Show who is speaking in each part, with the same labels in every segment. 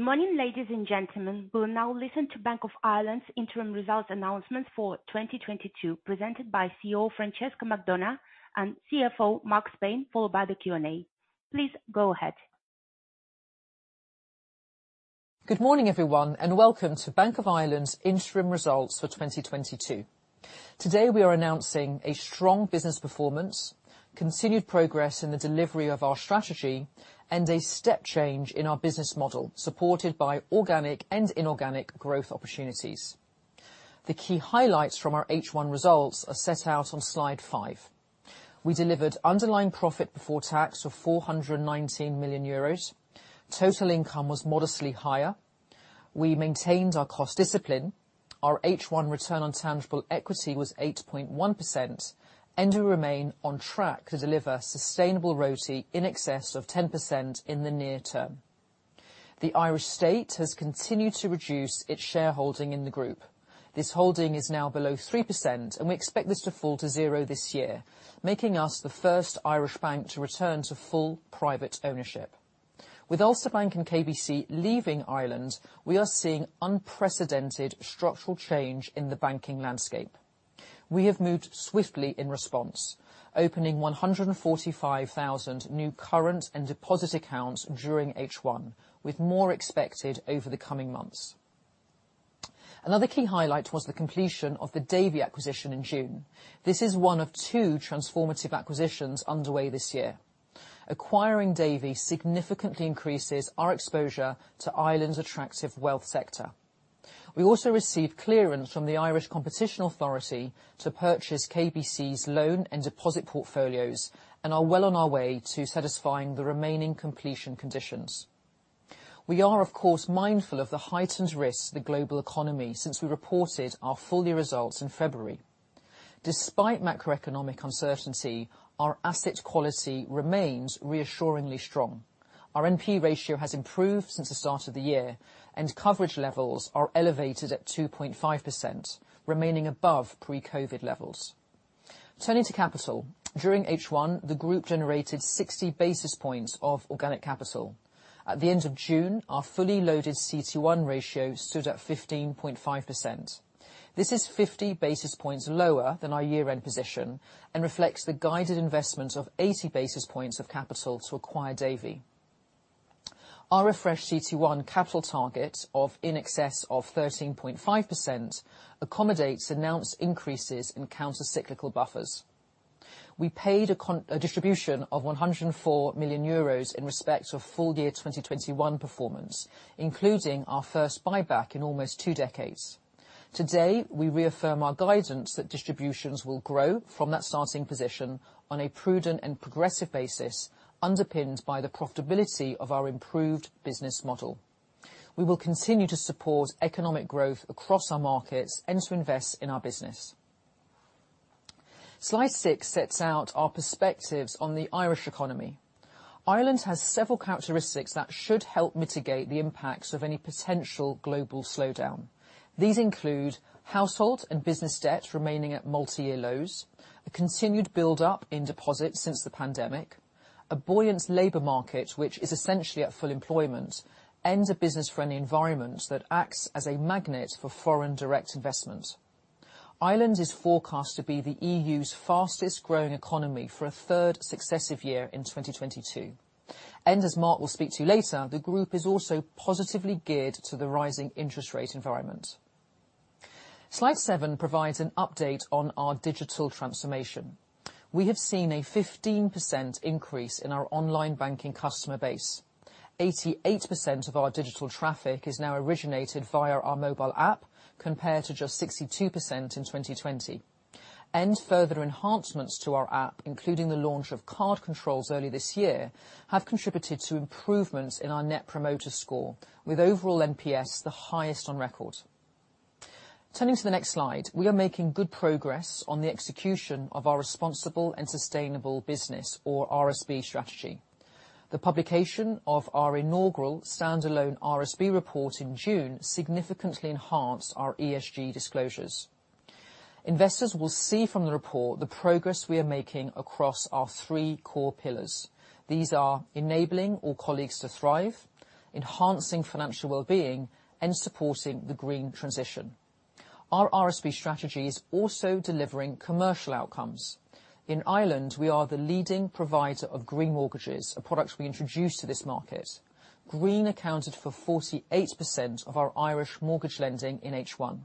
Speaker 1: Good morning, ladies and gentlemen. We'll now listen to Bank of Ireland's interim results announcement for 2022, presented by CEO Francesca McDonagh and CFO Mark Spain, followed by the Q&A. Please go ahead.
Speaker 2: Good morning, everyone, and welcome to Bank of Ireland's interim results for 2022. Today, we are announcing a strong business performance, continued progress in the delivery of our strategy, and a step change in our business model, supported by organic and inorganic growth opportunities. The key highlights from our H1 results are set out on slide five. We delivered underlying profit before tax of 419 million euros. Total income was modestly higher. We maintained our cost discipline. Our H1 return on tangible equity was 8.1%, and we remain on track to deliver sustainable ROTE in excess of 10% in the near term. The Irish state has continued to reduce its shareholding in the group. This holding is now below 3%, and we expect this to fall to zero this year, making us the first Irish bank to return to full private ownership. With Ulster Bank and KBC leaving Ireland, we are seeing unprecedented structural change in the banking landscape. We have moved swiftly in response, opening 145,000 new current and deposit accounts during H1, with more expected over the coming months. Another key highlight was the completion of the Davy acquisition in June. This is one of two transformative acquisitions underway this year. Acquiring Davy significantly increases our exposure to Ireland's attractive wealth sector. We also received clearance from the Competition and Consumer Protection Commission to purchase KBC's loan and deposit portfolios and are well on our way to satisfying the remaining completion conditions. We are, of course, mindful of the heightened risk to the global economy since we reported our full year results in February. Despite macroeconomic uncertainty, our asset quality remains reassuringly strong. Our NPE ratio has improved since the start of the year, and coverage levels are elevated at 2.5%, remaining above pre-COVID levels. Turning to capital, during H1, the group generated 60 basis points of organic capital. At the end of June, our fully loaded CET1 ratio stood at 15.5%. This is 50 basis points lower than our year-end position and reflects the guided investment of 80 basis points of capital to acquire Davy. Our refreshed CET1 capital target of in excess of 13.5% accommodates announced increases in countercyclical buffers. We paid a distribution of 104 million euros in respect of full year 2021 performance, including our first buyback in almost two decades. Today, we reaffirm our guidance that distributions will grow from that starting position on a prudent and progressive basis, underpinned by the profitability of our improved business model. We will continue to support economic growth across our markets and to invest in our business. Slide six sets out our perspectives on the Irish economy. Ireland has several characteristics that should help mitigate the impacts of any potential global slowdown. These include household and business debt remaining at multi-year lows, a continued build-up in deposits since the pandemic, a buoyant labor market, which is essentially at full employment, and a business-friendly environment that acts as a magnet for foreign direct investment. Ireland is forecast to be the EU's fastest-growing economy for a third successive year in 2022. As Mark will speak to later, the group is also positively geared to the rising interest rate environment. Slide seven provides an update on our digital transformation. We have seen a 15% increase in our online banking customer base. 88% of our digital traffic is now originated via our mobile app, compared to just 62% in 2020. Further enhancements to our app, including the launch of card controls early this year, have contributed to improvements in our net promoter score, with overall NPS the highest on record. Turning to the next slide, we are making good progress on the execution of our responsible and sustainable business, or RSB strategy. The publication of our inaugural standalone RSB report in June significantly enhanced our ESG disclosures. Investors will see from the report the progress we are making across our three core pillars. These are enabling all colleagues to thrive, enhancing financial well-being, and supporting the green transition. Our RSB strategy is also delivering commercial outcomes. In Ireland, we are the leading provider of green mortgages, a product we introduced to this market. Green accounted for 48% of our Irish mortgage lending in H1.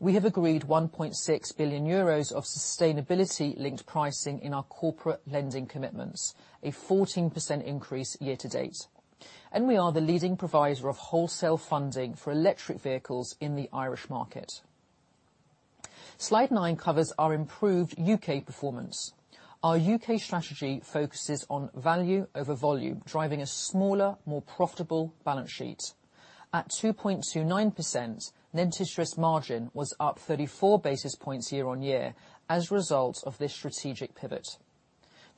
Speaker 2: We have agreed 1.6 billion euros of sustainability-linked pricing in our corporate lending commitments, a 14% increase year to date. We are the leading provider of wholesale funding for electric vehicles in the Irish market. Slide nine covers our improved U.K. Performance. Our U.K. strategy focuses on value over volume, driving a smaller, more profitable balance sheet. At 2.29%, net interest margin was up 34 basis points year-on-year as a result of this strategic pivot.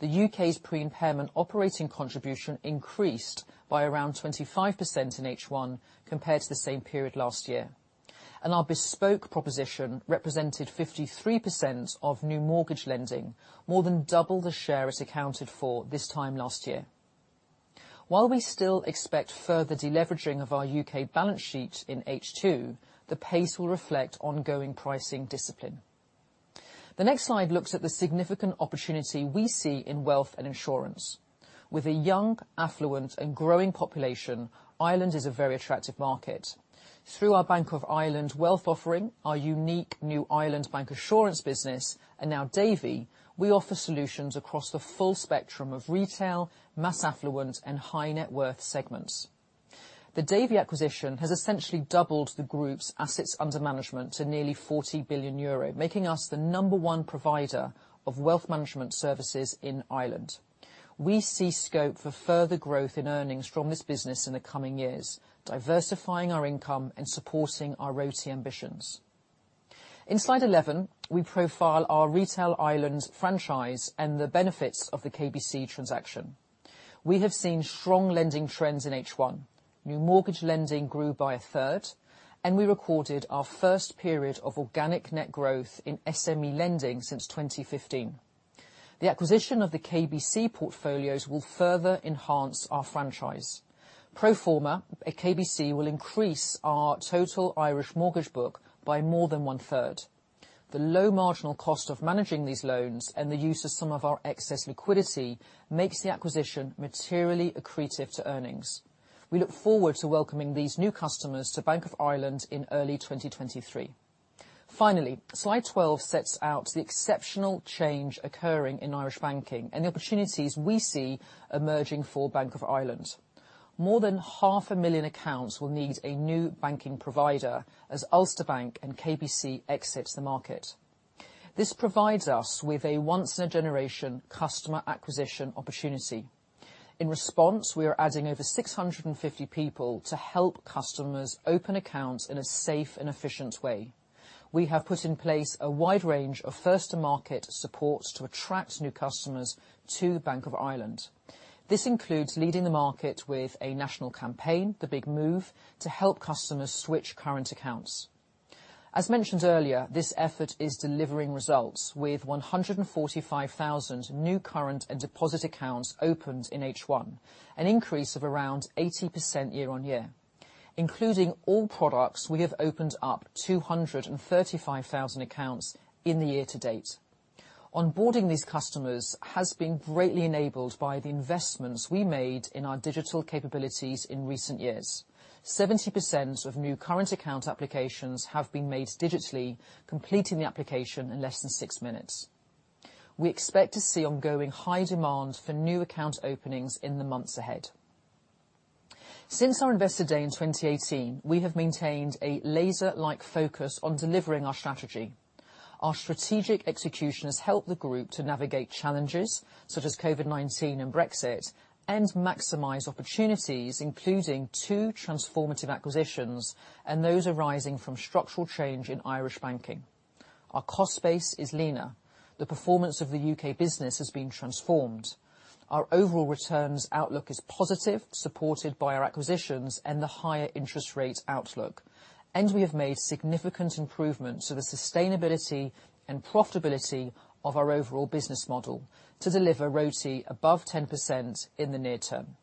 Speaker 2: The UK's pre-impairment operating contribution increased by around 25% in H1 compared to the same period last year. Our bespoke proposition represented 53% of new mortgage lending, more than double the share it accounted for this time last year. While we still expect further deleveraging of our U.K. balance sheet in H2, the pace will reflect ongoing pricing discipline. The next slide looks at the significant opportunity we see in wealth and insurance. With a young, affluent, and growing population, Ireland is a very attractive market. Through our Bank of Ireland wealth offering, our unique New Ireland Assurance business, and now Davy, we offer solutions across the full spectrum of retail, mass affluent, and high net worth segments. The Davy acquisition has essentially doubled the group's assets under management to nearly 40 billion euro, making us the number one provider of wealth management services in Ireland. We see scope for further growth in earnings from this business in the coming years, diversifying our income and supporting our ROTE ambitions. In slide 11, we profile our retail Ireland franchise and the benefits of the KBC transaction. We have seen strong lending trends in H1. New mortgage lending grew by a third, and we recorded our first period of organic net growth in SME lending since 2015. The acquisition of the KBC portfolios will further enhance our franchise. Pro forma at KBC will increase our total Irish mortgage book by more than one-third. The low marginal cost of managing these loans and the use of some of our excess liquidity makes the acquisition materially accretive to earnings. We look forward to welcoming these new customers to Bank of Ireland in early 2023. Finally, slide 12 sets out the exceptional change occurring in Irish banking and the opportunities we see emerging for Bank of Ireland. More than half a million accounts will need a new banking provider as Ulster Bank and KBC exit the market. This provides us with a once in a generation customer acquisition opportunity. In response, we are adding over 650 people to help customers open accounts in a safe and efficient way. We have put in place a wide range of first to market supports to attract new customers to the Bank of Ireland. This includes leading the market with a national campaign, The Big Move, to help customers switch current accounts. As mentioned earlier, this effort is delivering results with 145,000 new current and deposit accounts opened in H1, an increase of around 80% year-on-year. Including all products, we have opened up 235,000 accounts in the year-to-date. Onboarding these customers has been greatly enabled by the investments we made in our digital capabilities in recent years. 70% of new current account applications have been made digitally, completing the application in less than six minutes. We expect to see ongoing high demand for new account openings in the months ahead. Since our investor day in 2018, we have maintained a laser-like focus on delivering our strategy. Our strategic execution has helped the Group to navigate challenges, such as COVID-19 and Brexit, and maximize opportunities, including two transformative acquisitions, and those arising from structural change in Irish banking. Our cost base is leaner. The performance of the U.K. business has been transformed. Our overall returns outlook is positive, supported by our acquisitions and the higher interest rate outlook. We have made significant improvements to the sustainability and profitability of our overall business model to deliver ROTE above 10% in the near term.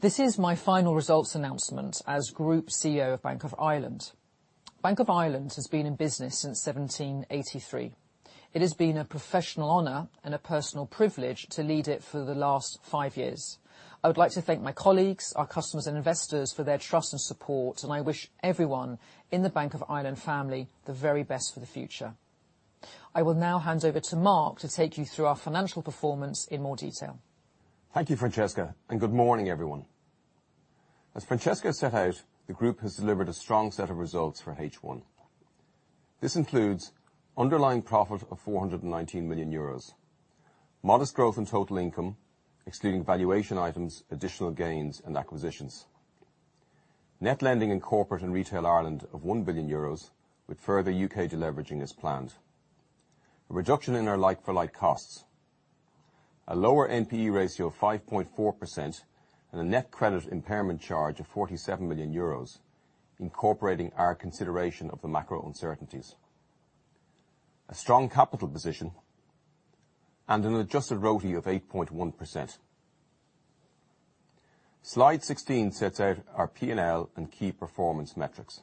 Speaker 2: This is my final results announcement as Group CEO of Bank of Ireland. Bank of Ireland has been in business since 1783. It has been a professional honor and a personal privilege to lead it for the last five years. I would like to thank my colleagues, our customers and investors for their trust and support, and I wish everyone in the Bank of Ireland family the very best for the future. I will now hand over to Mark to take you through our financial performance in more detail.
Speaker 3: Thank you, Francesca, and good morning, everyone. As Francesca set out, the Group has delivered a strong set of results for H1. This includes underlying profit of 419 million euros, modest growth in total income, excluding valuation items, additional gains and acquisitions. Net lending in Corporate and Retail Ireland of 1 billion euros, with further U.K. deleveraging as planned. A reduction in our like-for-like costs. A lower NPE ratio of 5.4% and a net credit impairment charge of 47 million euros, incorporating our consideration of the macro uncertainties. A strong capital position and an adjusted ROTE of 8.1%. Slide 16 sets out our P&L and key performance metrics.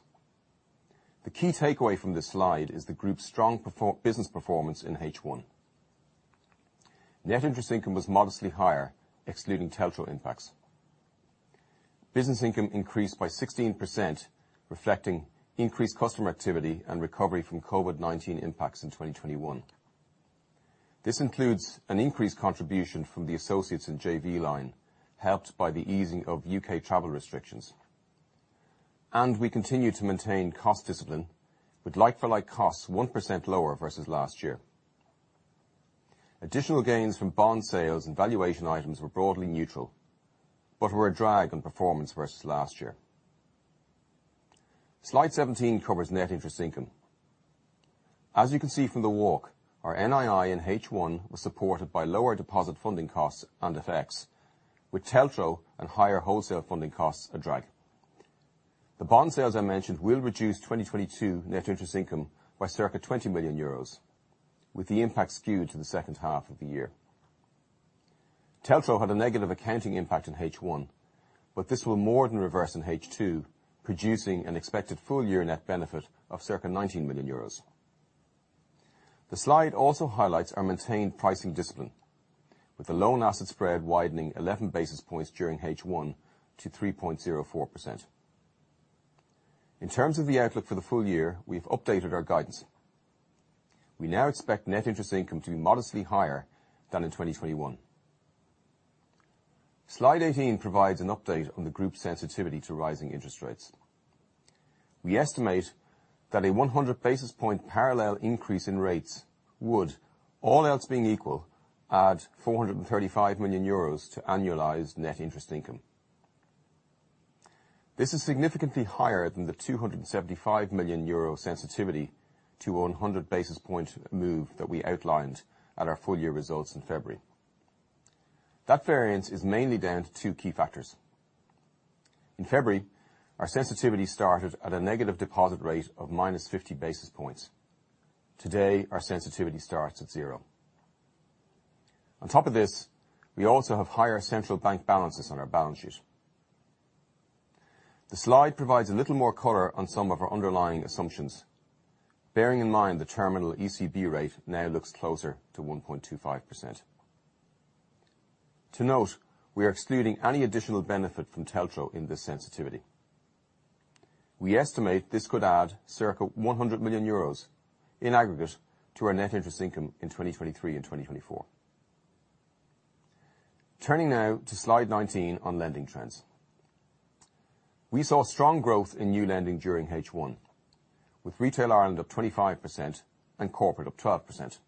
Speaker 3: The key takeaway from this slide is the Group's strong business performance in H1. Net interest income was modestly higher, excluding TLTRO impacts. Business income increased by 16%, reflecting increased customer activity and recovery from COVID-19 impacts in 2021. This includes an increased contribution from the associates and JV line, helped by the easing of UK travel restrictions. We continue to maintain cost discipline, with like-for-like costs 1% lower versus last year. Additional gains from bond sales and valuation items were broadly neutral, but were a drag on performance versus last year. Slide 17 covers net interest income. As you can see from the walk, our NII in H1 was supported by lower deposit funding costs and effects, with TLTRO and higher wholesale funding costs a drag. The bond sales I mentioned will reduce 2022 net interest income by circa EUR 20 million, with the impact skewed to the second half of the year. TLTRO had a negative accounting impact in H1, but this will more than reverse in H2, producing an expected full year net benefit of circa 19 million euros. The slide also highlights our maintained pricing discipline, with the loan asset spread widening 11 basis points during H1 to 3.04%. In terms of the outlook for the full year, we've updated our guidance. We now expect net interest income to be modestly higher than in 2021. Slide 18 provides an update on the group sensitivity to rising interest rates. We estimate that a 100 basis points parallel increase in rates would, all else being equal, add 435 million euros to annualized net interest income. This is significantly higher than the 275 million euro sensitivity to a 100 basis point move that we outlined at our full year results in February. That variance is mainly down to two key factors. In February, our sensitivity started at a negative deposit rate of -50 basis points. Today, our sensitivity starts at zero. On top of this, we also have higher central bank balances on our balance sheet. The slide provides a little more color on some of our underlying assumptions, bearing in mind the terminal ECB rate now looks closer to 1.25%. To note, we are excluding any additional benefit from TLTRO in this sensitivity. We estimate this could add circa 100 million euros in aggregate to our net interest income in 2023 and 2024. Turning now to slide 19 on lending trends. We saw strong growth in new lending during H1, with Retail Ireland up 25% and Corporate up 12%.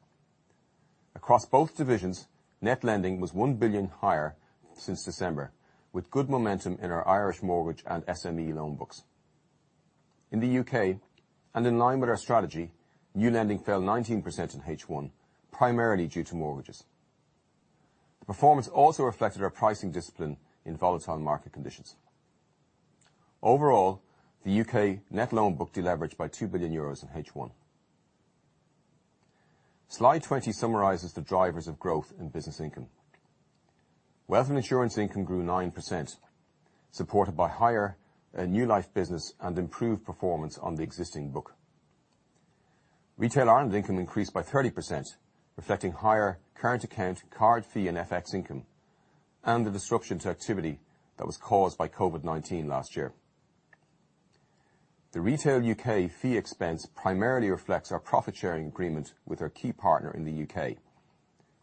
Speaker 3: Across both divisions, net lending was 1 billion higher since December, with good momentum in our Irish mortgage and SME loan books. In the U.K., and in line with our strategy, new lending fell 19% in H1, primarily due to mortgages. The performance also reflected our pricing discipline in volatile market conditions. Overall, the U.K. net loan book deleveraged by 2 billion euros in H1. Slide 20 summarizes the drivers of growth in business income. Wealth and insurance income grew 9%, supported by higher new life business and improved performance on the existing book. Retail Ireland income increased by 30%, reflecting higher current account, card fee and FX income, and the disruption to activity that was caused by COVID-19 last year. The Retail U.K. fee expense primarily reflects our profit-sharing agreement with our key partner in the U.K.,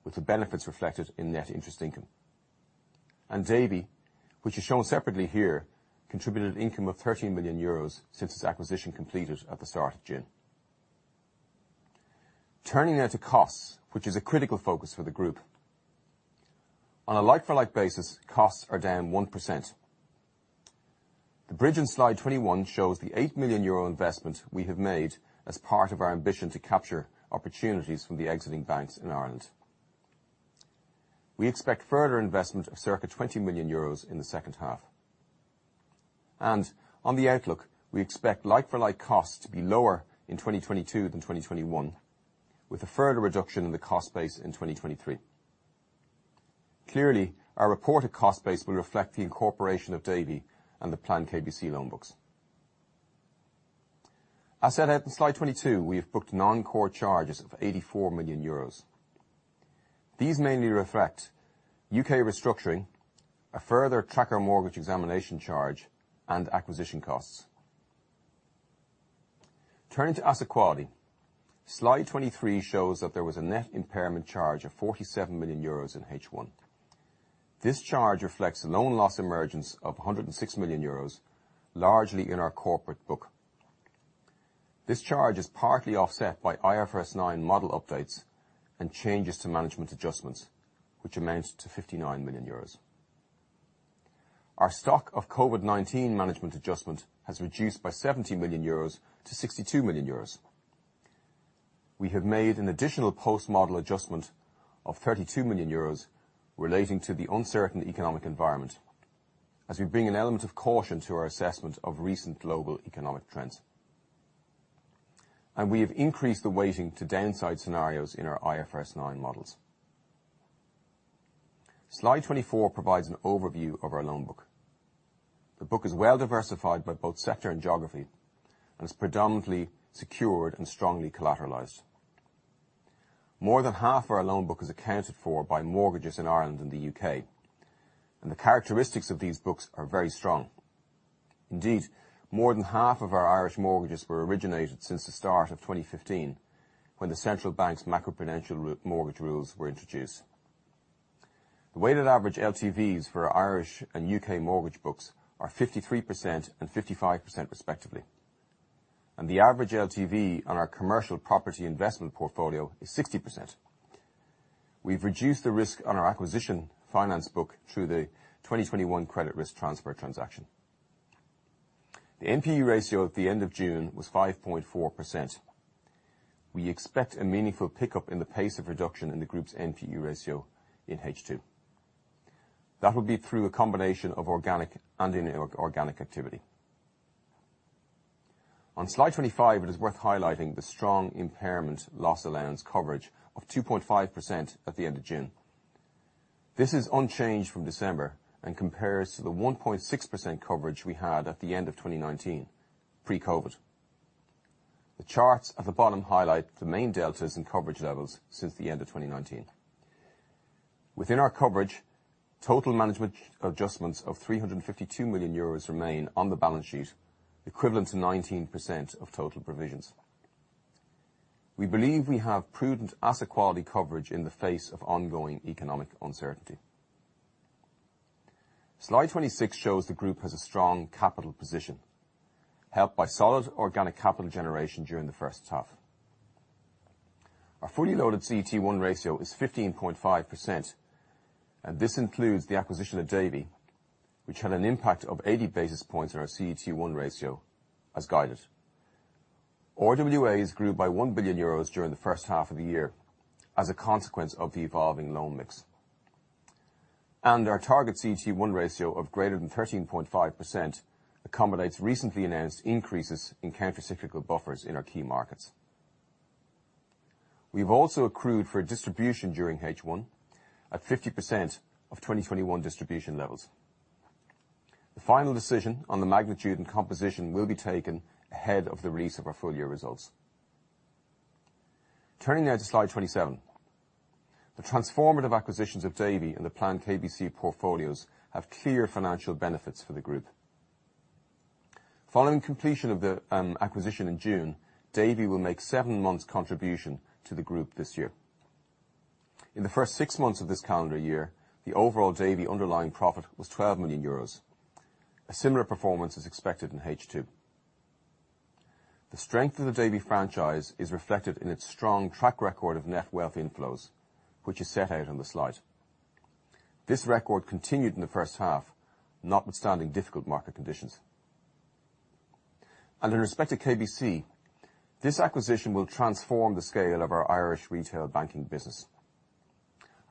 Speaker 3: with the benefits reflected in net interest income. Davy, which is shown separately here, contributed income of 13 million euros since its acquisition completed at the start of June. Turning now to costs, which is a critical focus for the group. On a like-for-like basis, costs are down 1%. The bridge in slide 21 shows the 8 million euro investment we have made as part of our ambition to capture opportunities from the exiting banks in Ireland. We expect further investment of circa 20 million euros in the second half. On the outlook, we expect like-for-like costs to be lower in 2022 than 2021, with a further reduction in the cost base in 2023. Clearly, our reported cost base will reflect the incorporation of Davy and the planned KBC loan books. As set out in slide 22, we have booked non-core charges of 84 million euros. These mainly reflect U.K. restructuring, a further tracker mortgage examination charge, and acquisition costs. Turning to asset quality. Slide 23 shows that there was a net impairment charge of 47 million euros in H1. This charge reflects loan loss emergence of 106 million euros, largely in our corporate book. This charge is partly offset by IFRS 9 model updates and changes to management adjustments, which amount to 59 million euros. Our stock of COVID-19 management adjustment has reduced by 70 million euros to 62 million euros. We have made an additional post-model adjustment of 32 million euros relating to the uncertain economic environment, as we bring an element of caution to our assessment of recent global economic trends. We have increased the weighting to downside scenarios in our IFRS 9 models. Slide 24 provides an overview of our loan book. The book is well diversified by both sector and geography, and is predominantly secured and strongly collateralized. More than half of our loan book is accounted for by mortgages in Ireland and the U.K., and the characteristics of these books are very strong. Indeed, more than half of our Irish mortgages were originated since the start of 2015, when the Central Bank's macro-prudential mortgage rules were introduced. The weighted average LTVs for our Irish and U.K. mortgage books are 53% and 55% respectively, and the average LTV on our commercial property investment portfolio is 60%. We've reduced the risk on our acquisition finance book through the 2021 credit risk transfer transaction. The NPE ratio at the end of June was 5.4%. We expect a meaningful pickup in the pace of reduction in the group's NPE ratio in H2. That will be through a combination of organic and inorganic activity. On slide 25, it is worth highlighting the strong impairment loss allowance coverage of 2.5% at the end of June. This is unchanged from December and compares to the 1.6% coverage we had at the end of 2019 pre-COVID. The charts at the bottom highlight the main deltas in coverage levels since the end of 2019. Within our coverage, total management adjustments of 352 million euros remain on the balance sheet, equivalent to 19% of total provisions. We believe we have prudent asset quality coverage in the face of ongoing economic uncertainty. Slide 26 shows the group has a strong capital position, helped by solid organic capital generation during the first half. Our fully loaded CET1 ratio is 15.5%, and this includes the acquisition of Davy, which had an impact of 80 basis points on our CET1 ratio as guided. RWAs grew by 1 billion euros during the first half of the year as a consequence of the evolving loan mix. Our target CET1 ratio of greater than 13.5% accommodates recently announced increases in countercyclical buffers in our key markets. We've also accrued for distribution during H1 at 50% of 2021 distribution levels. The final decision on the magnitude and composition will be taken ahead of the release of our full year results. Turning now to slide 27. The transformative acquisitions of Davy and the planned KBC portfolios have clear financial benefits for the group. Following completion of the acquisition in June, Davy will make seven months contribution to the group this year. In the first six months of this calendar year, the overall Davy underlying profit was 12 million euros. A similar performance is expected in H2. The strength of the Davy franchise is reflected in its strong track record of net wealth inflows, which is set out on the slide. This record continued in the first half, notwithstanding difficult market conditions. In respect to KBC, this acquisition will transform the scale of our Irish retail banking business.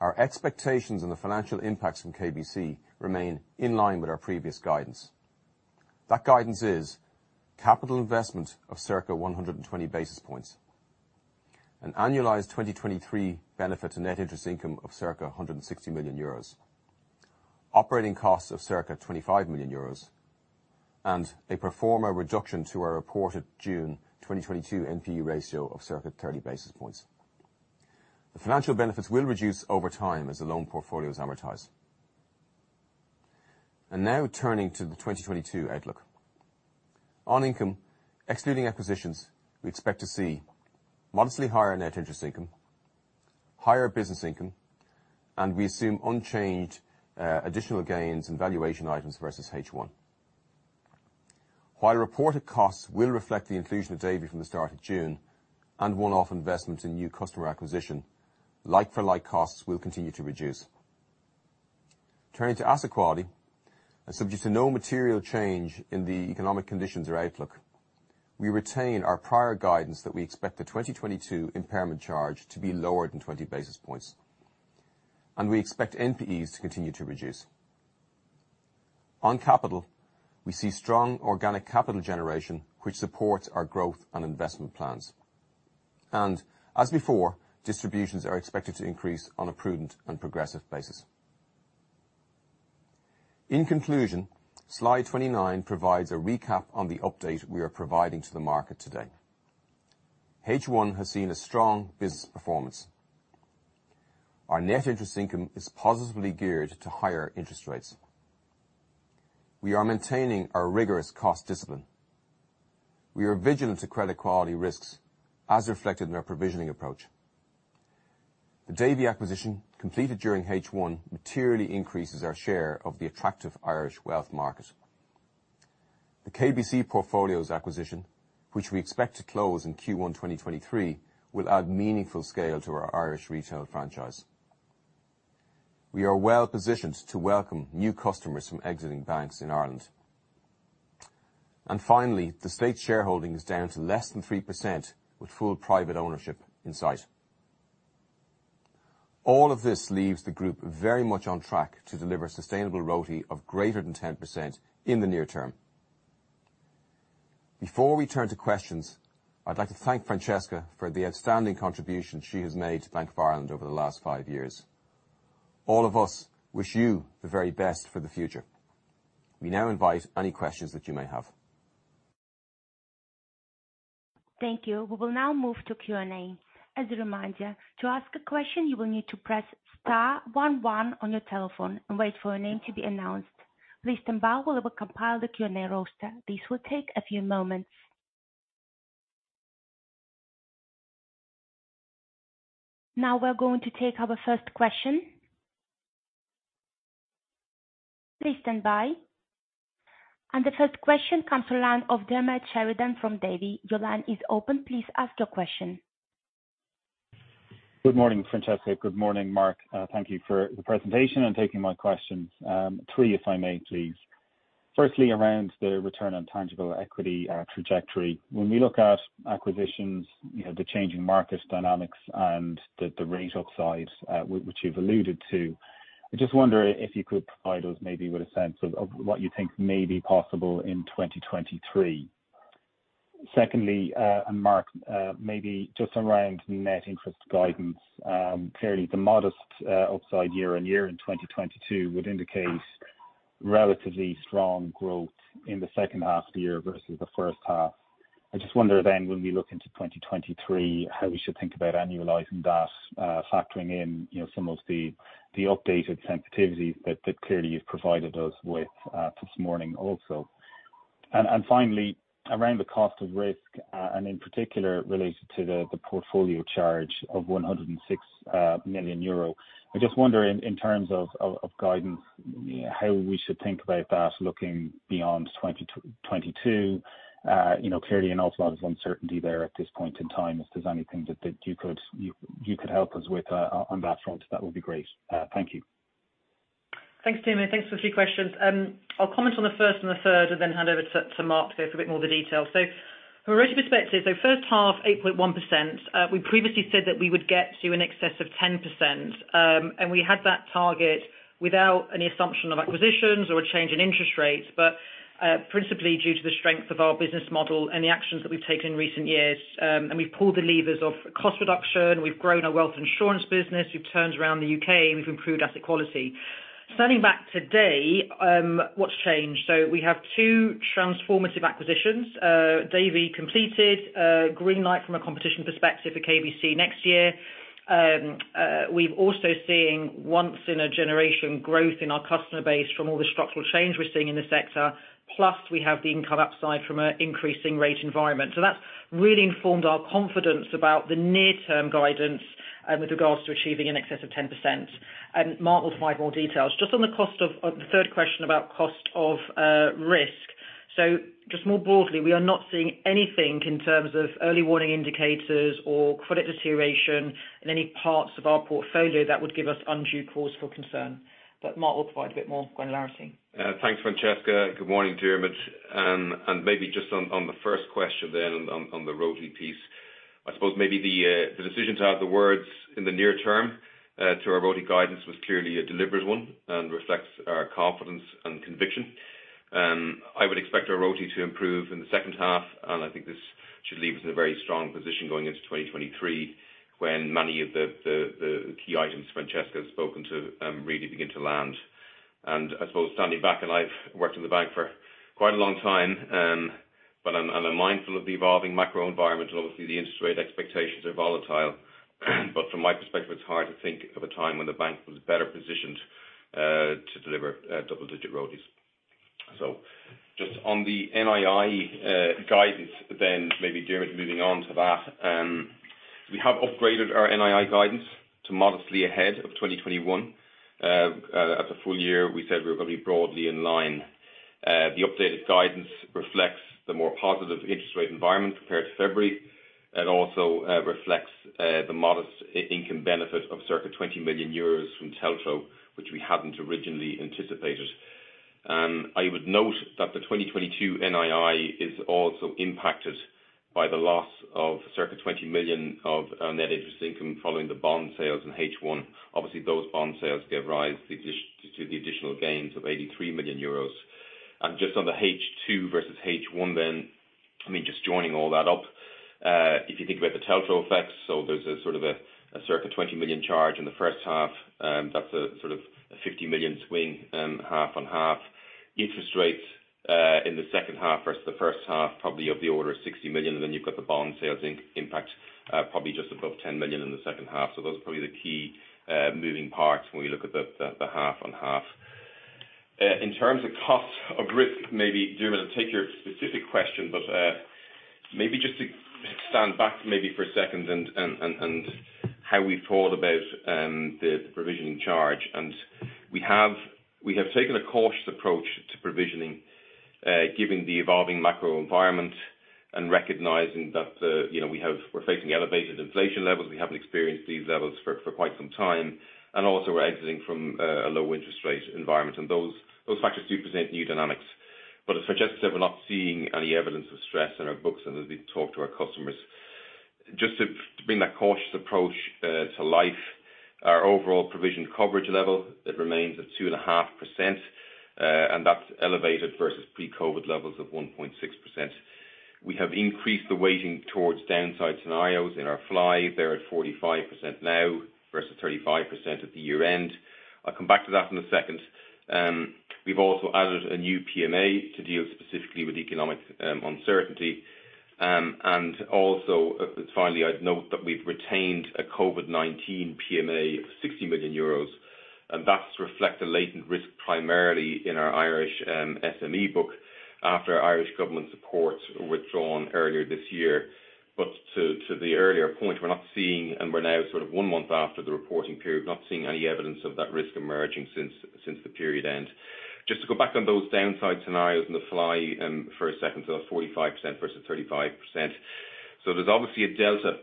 Speaker 3: Our expectations and the financial impacts from KBC remain in line with our previous guidance. That guidance is capital investment of circa 120 basis points, an annualized 2023 benefit to net interest income of circa 160 million euros, operating costs of circa 25 million euros, and a permanent reduction to our reported June 2022 NPE ratio of circa 30 basis points. The financial benefits will reduce over time as the loan portfolio is amortized. Now turning to the 2022 outlook. On income, excluding acquisitions, we expect to see modestly higher net interest income, higher business income, and we assume unchanged, additional gains and valuation items versus H1. While reported costs will reflect the inclusion of Davy from the start of June and one-off investment in new customer acquisition, like for like costs will continue to reduce. Turning to asset quality and subject to no material change in the economic conditions or outlook, we retain our prior guidance that we expect the 2022 impairment charge to be lower than 20 basis points, and we expect NPEs to continue to reduce. On capital, we see strong organic capital generation, which supports our growth and investment plans. As before, distributions are expected to increase on a prudent and progressive basis. In conclusion, slide 29 provides a recap on the update we are providing to the market today. H1 has seen a strong business performance. Our net interest income is positively geared to higher interest rates. We are maintaining our rigorous cost discipline. We are vigilant to credit quality risks as reflected in our provisioning approach. The Davy acquisition, completed during H1, materially increases our share of the attractive Irish wealth market. The KBC Portfolios acquisition, which we expect to close in Q1 2023, will add meaningful scale to our Irish retail franchise. We are well positioned to welcome new customers from exiting banks in Ireland. Finally, the State shareholding is down to less than 3%, with full private ownership in sight. All of this leaves the group very much on track to deliver sustainable ROTE of greater than 10% in the near term. Before we turn to questions, I'd like to thank Francesca for the outstanding contribution she has made to Bank of Ireland over the last five years. All of us wish you the very best for the future. We now invite any questions that you may have.
Speaker 1: Thank you. We will now move to Q&A. As a reminder, to ask a question, you will need to press star one one on your telephone and wait for your name to be announced. Please stand by while we compile the Q&A roster. This will take a few moments. Now we're going to take our first question. Please stand by. The first question comes from the line of Diarmaid Sheridan from Davy. Your line is open. Please ask your question.
Speaker 4: Good morning, Francesca. Good morning, Mark. Thank you for the presentation and taking my questions. Three if I may, please. Firstly, around the return on tangible equity trajectory. When we look at acquisitions, you know, the changing market dynamics and the rate upside, which you've alluded to, I just wonder if you could provide us maybe with a sense of what you think may be possible in 2023. Secondly, and Mark, maybe just around net interest guidance. Clearly the modest upside year-on-year in 2022 would indicate relatively strong growth in the second half of the year versus the first half. I just wonder then when we look into 2023, how we should think about annualizing that, factoring in, you know, some of the updated sensitivities that clearly you've provided us with this morning also. Finally, around the cost of risk, and in particular related to the portfolio charge of 106 million euro. I just wonder in terms of guidance, how we should think about that looking beyond 2022. You know, clearly an awful lot of uncertainty there at this point in time. If there's anything that you could help us with on that front, that would be great. Thank you.
Speaker 2: Thanks, Diarmuid. Thanks for the few questions. I'll comment on the first and the third and then hand over to Mark to go through a bit more of the details. From a rate perspective, first half 8.1%. We previously said that we would get to in excess of 10%, and we had that target without any assumption of acquisitions or a change in interest rates, but principally due to the strength of our business model and the actions that we've taken in recent years. We've pulled the levers of cost reduction, we've grown our wealth insurance business, we've turned around the U.K., and we've improved asset quality. Standing back today, what's changed? We have two transformative acquisitions. Davy completed, green light from a competition perspective for KBC next year. We're also seeing once in a generation growth in our customer base from all the structural change we're seeing in the sector, plus we have the income upside from an increasing rate environment. That's really informed our confidence about the near term guidance, with regards to achieving in excess of 10%. Mark will provide more details. Just on the third question about cost of risk. More broadly, we are not seeing anything in terms of early warning indicators or credit deterioration in any parts of our portfolio that would give us undue cause for concern. Mark will provide a bit more granularity.
Speaker 3: Thanks, Francesca. Good morning, Diarmuid. Maybe just on the first question on the ROTE piece. I suppose maybe the decision to have the words in the near term to our ROTE guidance was clearly a deliberate one and reflects our confidence and conviction. I would expect our ROTE to improve in the second half, and I think this should leave us in a very strong position going into 2023, when many of the key items Francesca has spoken to really begin to land. I suppose standing back, I've worked in the bank for quite a long time, but I'm mindful of the evolving macro environment. Obviously, the interest rate expectations are volatile, but from my perspective, it's hard to think of a time when the bank was better positioned to deliver double-digit ROTE. Just on the NII guidance then maybe Diarmaid moving on to that. We have upgraded our NII guidance to modestly ahead of 2021. At the full year, we said we're going to be broadly in line. The updated guidance reflects the more positive interest rate environment compared to February. It also reflects the modest interest income benefit of circa 20 million euros from the CLO, which we hadn't originally anticipated. I would note that the 2022 NII is also impacted by the loss of circa 20 million of net interest income following the bond sales in H1. Obviously, those bond sales gave rise to the additional gains of 83 million euros. Just on the H2 versus H1 then, I mean, just joining all that up, if you think about the tax effects, so there's a sort of a circa 20 million charge in the first half. That's a sort of a 50 million swing, half-on-half. Interest rates in the second half versus the first half, probably of the order of 60 million, and then you've got the bond sales impact, probably just above 10 million in the second half. Those are probably the key moving parts when you look at the half-on-half. In terms of cost of risk, maybe Diarmuid I'll take your specific question, but maybe just to stand back maybe for a second and how we thought about the provisioning charge. We have taken a cautious approach to provisioning, given the evolving macro environment and recognizing that, you know, we're facing elevated inflation levels. We haven't experienced these levels for quite some time. Also we're exiting from a low interest rate environment. Those factors do present new dynamics. As Francesca said, we're not seeing any evidence of stress in our books and as we talk to our customers. Just to bring that cautious approach to life, our overall provision coverage level remains at 2.5%, and that's elevated versus pre-COVID levels of 1.6%. We have increased the weighting towards downside scenarios in our FLI. They're at 45% now versus 35% at the year-end. I'll come back to that in a second. We've also added a new PMA to deal specifically with economic uncertainty. Finally, I'd note that we've retained a COVID-19 PMA of EUR 60 million, and that reflects a latent risk primarily in our Irish SME book after Irish government support withdrawn earlier this year. To the earlier point, we're not seeing, and we're now sort of one month after the reporting period, we're not seeing any evidence of that risk emerging since the period end. Just to go back on those downside scenarios on the fly, for a second. So 45% versus 35%. So there's obviously a delta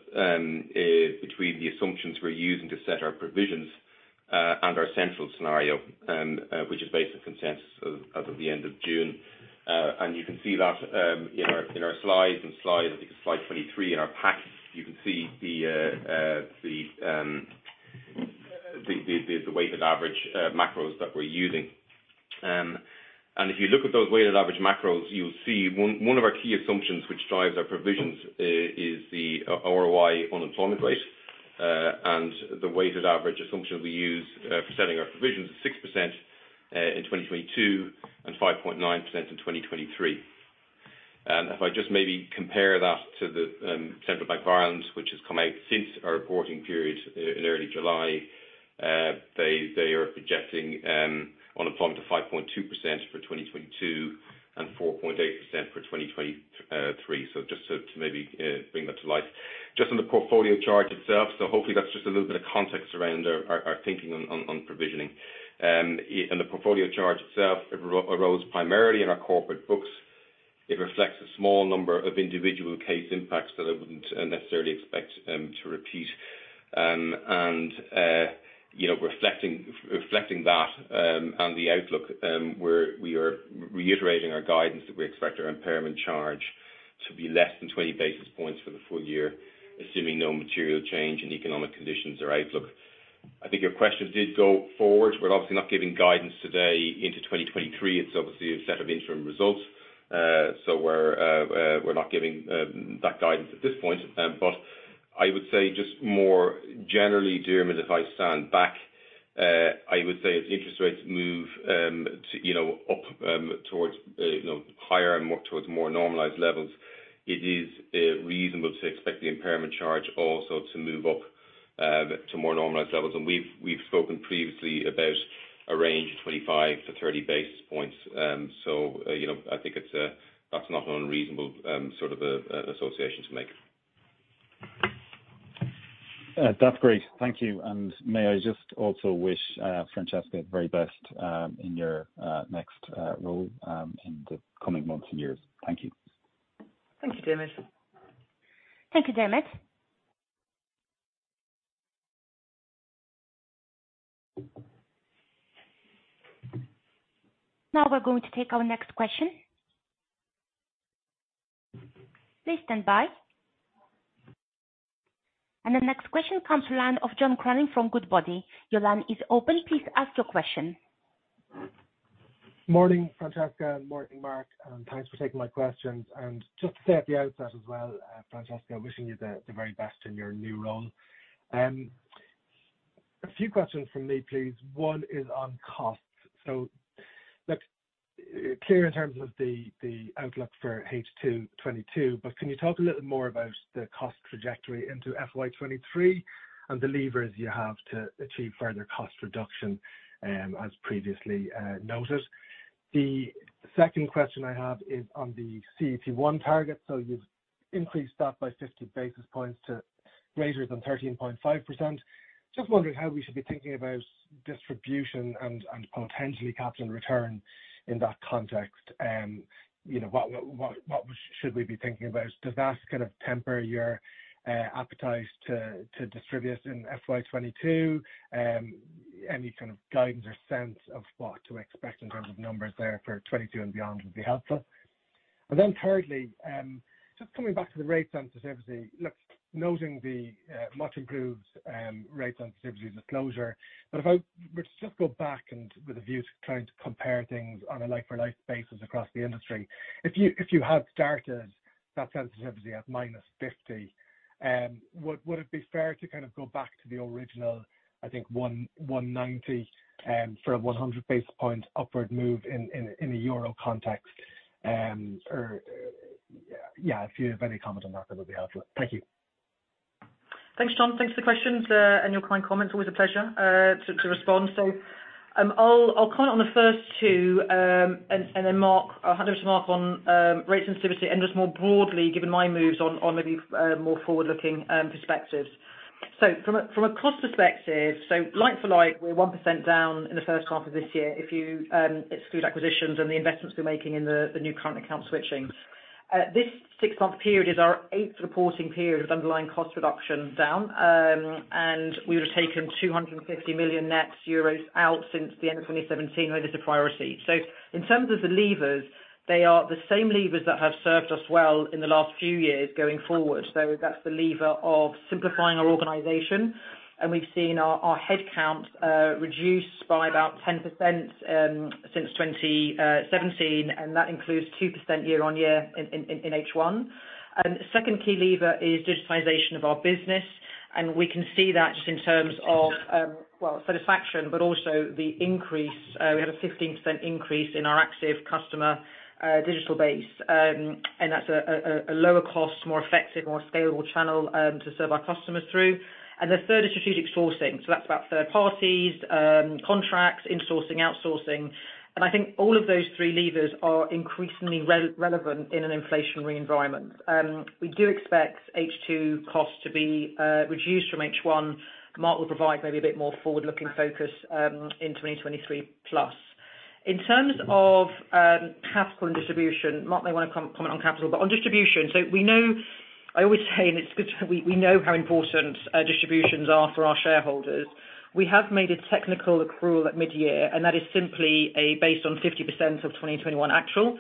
Speaker 3: between the assumptions we're using to set our provisions and our central scenario, which is based on consensus of the end of June. And you can see that in our slides. In slide, I think it's slide 23 in our pack, you can see the weighted average macros that we're using. If you look at those weighted average macros, you'll see one of our key assumptions which drives our provisions is the Republic of Ireland unemployment rate. The weighted average assumption we use for setting our provisions is 6% in 2022 and 5.9% in 2023. If I just maybe compare that to the Central Bank of Ireland, which has come out since our reporting period in early July. They are projecting unemployment of 5.2% for 2022 and 4.8% for 2023. Just to maybe bring that to life. Just on the portfolio charge itself, hopefully that's just a little bit of context around our thinking on provisioning. The portfolio charge itself, it arose primarily in our corporate books. It reflects a small number of individual case impacts that I wouldn't necessarily expect to repeat. You know, reflecting that and the outlook, we are reiterating our guidance that we expect our impairment charge to be less than 20 basis points for the full year, assuming no material change in economic conditions or outlook. I think your question did go forward. We're obviously not giving guidance today into 2023. It's obviously a set of interim results. We're not giving that guidance at this point. I would say just more generally, Diarmaid, if I stand back, I would say if interest rates move to you know up towards you know higher and more towards normalized levels, it is reasonable to expect the impairment charge also to move up to more normalized levels. We've spoken previously about a range of 25-30 basis points. You know, I think that's not unreasonable sort of association to make.
Speaker 4: That's great. Thank you. May I just also wish Francesca the very best in your next role in the coming months and years. Thank you.
Speaker 2: Thank you, Diarmaid.
Speaker 1: Thank you, Diarmuid. Now we're going to take our next question. Please stand by. The next question comes from the line of John Cronin from Goodbody. Your line is open. Please ask your question.
Speaker 5: Morning, Francesca. Morning, Mark, and thanks for taking my questions. Just to say at the outset as well, Francesca, wishing you the very best in your new role. A few questions from me, please. One is on costs. Look, clear in terms of the outlook for H2 2022, but can you talk a little more about the cost trajectory into FY 2023 and the levers you have to achieve further cost reduction, as previously noted? The second question I have is on the CET1 target. You've increased that by 50 basis points to greater than 13.5%. Just wondering how we should be thinking about distribution and potentially capital return in that context. You know, what should we be thinking about? Does that kind of temper your appetite to distribute in FY 2022? Any kind of guidance or sense of what to expect in terms of numbers there for 2022 and beyond would be helpful. Then thirdly, just coming back to the rates and sensitivity. Look, noting the much improved rates and sensitivity disclosure. But if I were to just go back and with a view to trying to compare things on a like-for-like basis across the industry. If you had started that sensitivity at -50, would it be fair to kind of go back to the original, I think 190, for a 100 basis point upward move in a euro context? Or, yeah, if you have any comment on that would be helpful. Thank you.
Speaker 2: Thanks, John. Thanks for the questions, and your kind comments. Always a pleasure to respond. I'll comment on the first two, and then Mark. I'll hand over to Mark on rate sensitivity and just more broadly, given my moves on maybe more forward-looking perspectives. From a cost perspective, like for like we're 1% down in the first half of this year if you exclude acquisitions and the investments we're making in the new current account switching. This six-month period is our eighth reporting period of underlying cost reduction down. We would have taken 250 million euros net out since the end of 2017 when it was a priority. In terms of the levers, they are the same levers that have served us well in the last few years going forward. That's the lever of simplifying our organization. We've seen our headcounts reduced by about 10%, since 2017, and that includes 2% year-on-year in H1. Second key lever is digitization of our business. We can see that just in terms of satisfaction, but also the increase. We had a 15% increase in our active customer digital base. And that's a lower cost, more effective, more scalable channel to serve our customers through. The third is strategic sourcing. That's about third parties, contracts, insourcing, outsourcing. I think all of those three levers are increasingly relevant in an inflationary environment. We do expect H2 costs to be reduced from H1. Mark will provide maybe a bit more forward-looking focus in 2023 plus. In terms of capital and distribution, Mark may want to comment on capital. On distribution, we know—I always say, and it's good to—how important distributions are for our shareholders. We have made a technical accrual at mid-year, and that is simply based on 50% of 2021 actual.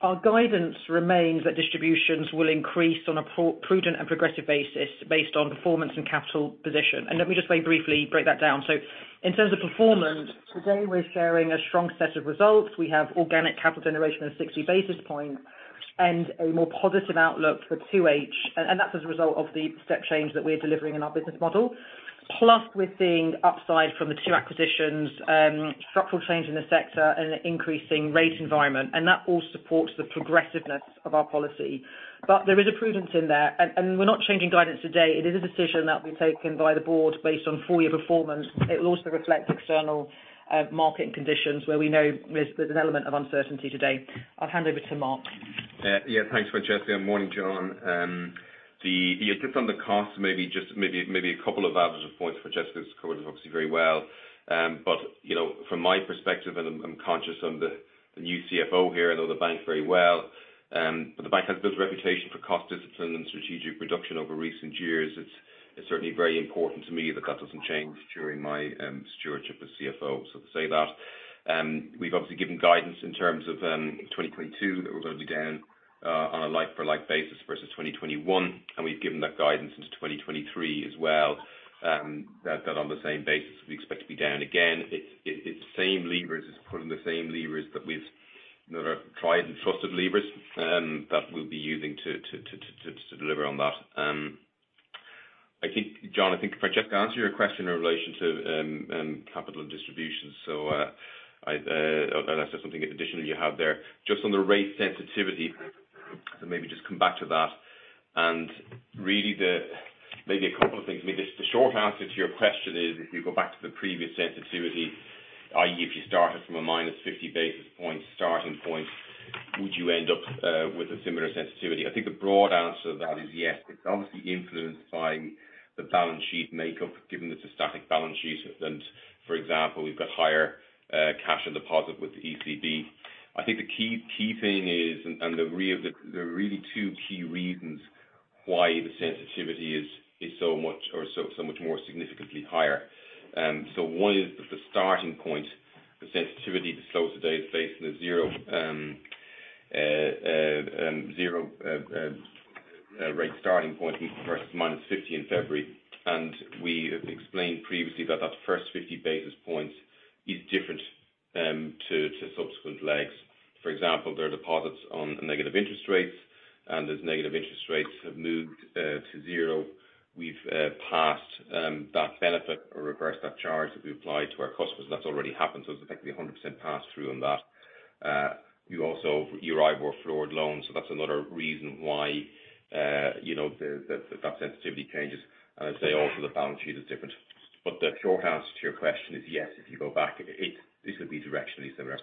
Speaker 2: Our guidance remains that distributions will increase on a prudent and progressive basis based on performance and capital position. Let me just very briefly break that down. In terms of performance, today we're sharing a strong set of results. We have organic capital generation of 60 basis points and a more positive outlook for 2H. That's as a result of the step change that we're delivering in our business model. Plus, we're seeing upside from the two acquisitions, structural change in the sector and an increasing rate environment. That all supports the progressiveness of our policy. There is a prudence in there. We're not changing guidance today. It is a decision that will be taken by the board based on full year performance. It will also reflect external market conditions where we know there's an element of uncertainty today. I'll hand over to Mark.
Speaker 3: Yeah, thanks Francesca. Morning, John. Yeah, just on the cost, maybe just a couple of additional points. Francesca has covered it obviously very well. But, you know, from my perspective, and I'm conscious I'm the new CFO here, I know the bank very well. But the bank has a good reputation for cost discipline and strategic reduction over recent years. It's certainly very important to me that that doesn't change during my stewardship as CFO, so to say that. We've obviously given guidance in terms of 2022 that we're gonna be down on a like for like basis versus 2021, and we've given that guidance into 2023 as well. That on the same basis we expect to be down again. It's the same levers as putting the same levers that we've you know are tried and trusted levers that we'll be using to deliver on that. I think, John, if I just answer your question in relation to capital and distribution. I'd unless there's something additionally you have there. Just on the rate sensitivity, maybe just come back to that. Really the maybe a couple of things. I mean, the short answer to your question is if you go back to the previous sensitivity, i.e., if you started from a minus 50 basis point starting point, would you end up with a similar sensitivity? I think the broad answer to that is yes. It's obviously influenced by the balance sheet makeup, given it's a static balance sheet. For example, we've got higher cash and deposits with the ECB. I think the key thing is there are really two key reasons why the sensitivity is so much more significantly higher. One is the starting point. The sensitivity disclosed today is based on the zero rate starting point versus minus 50 in February. We have explained previously that that first 50 basis points is different to subsequent legs. For example, there are deposits on negative interest rates, and as negative interest rates have moved to zero, we've passed that benefit or reversed that charge that we applied to our customers. That's already happened, so it's effectively 100% pass through on that. You also your IBOR floored loans, so that's another reason why you know that sensitivity changes. I'd say also the balance sheet is different. The short answer to your question is yes. If you go back, it would be directionally similar.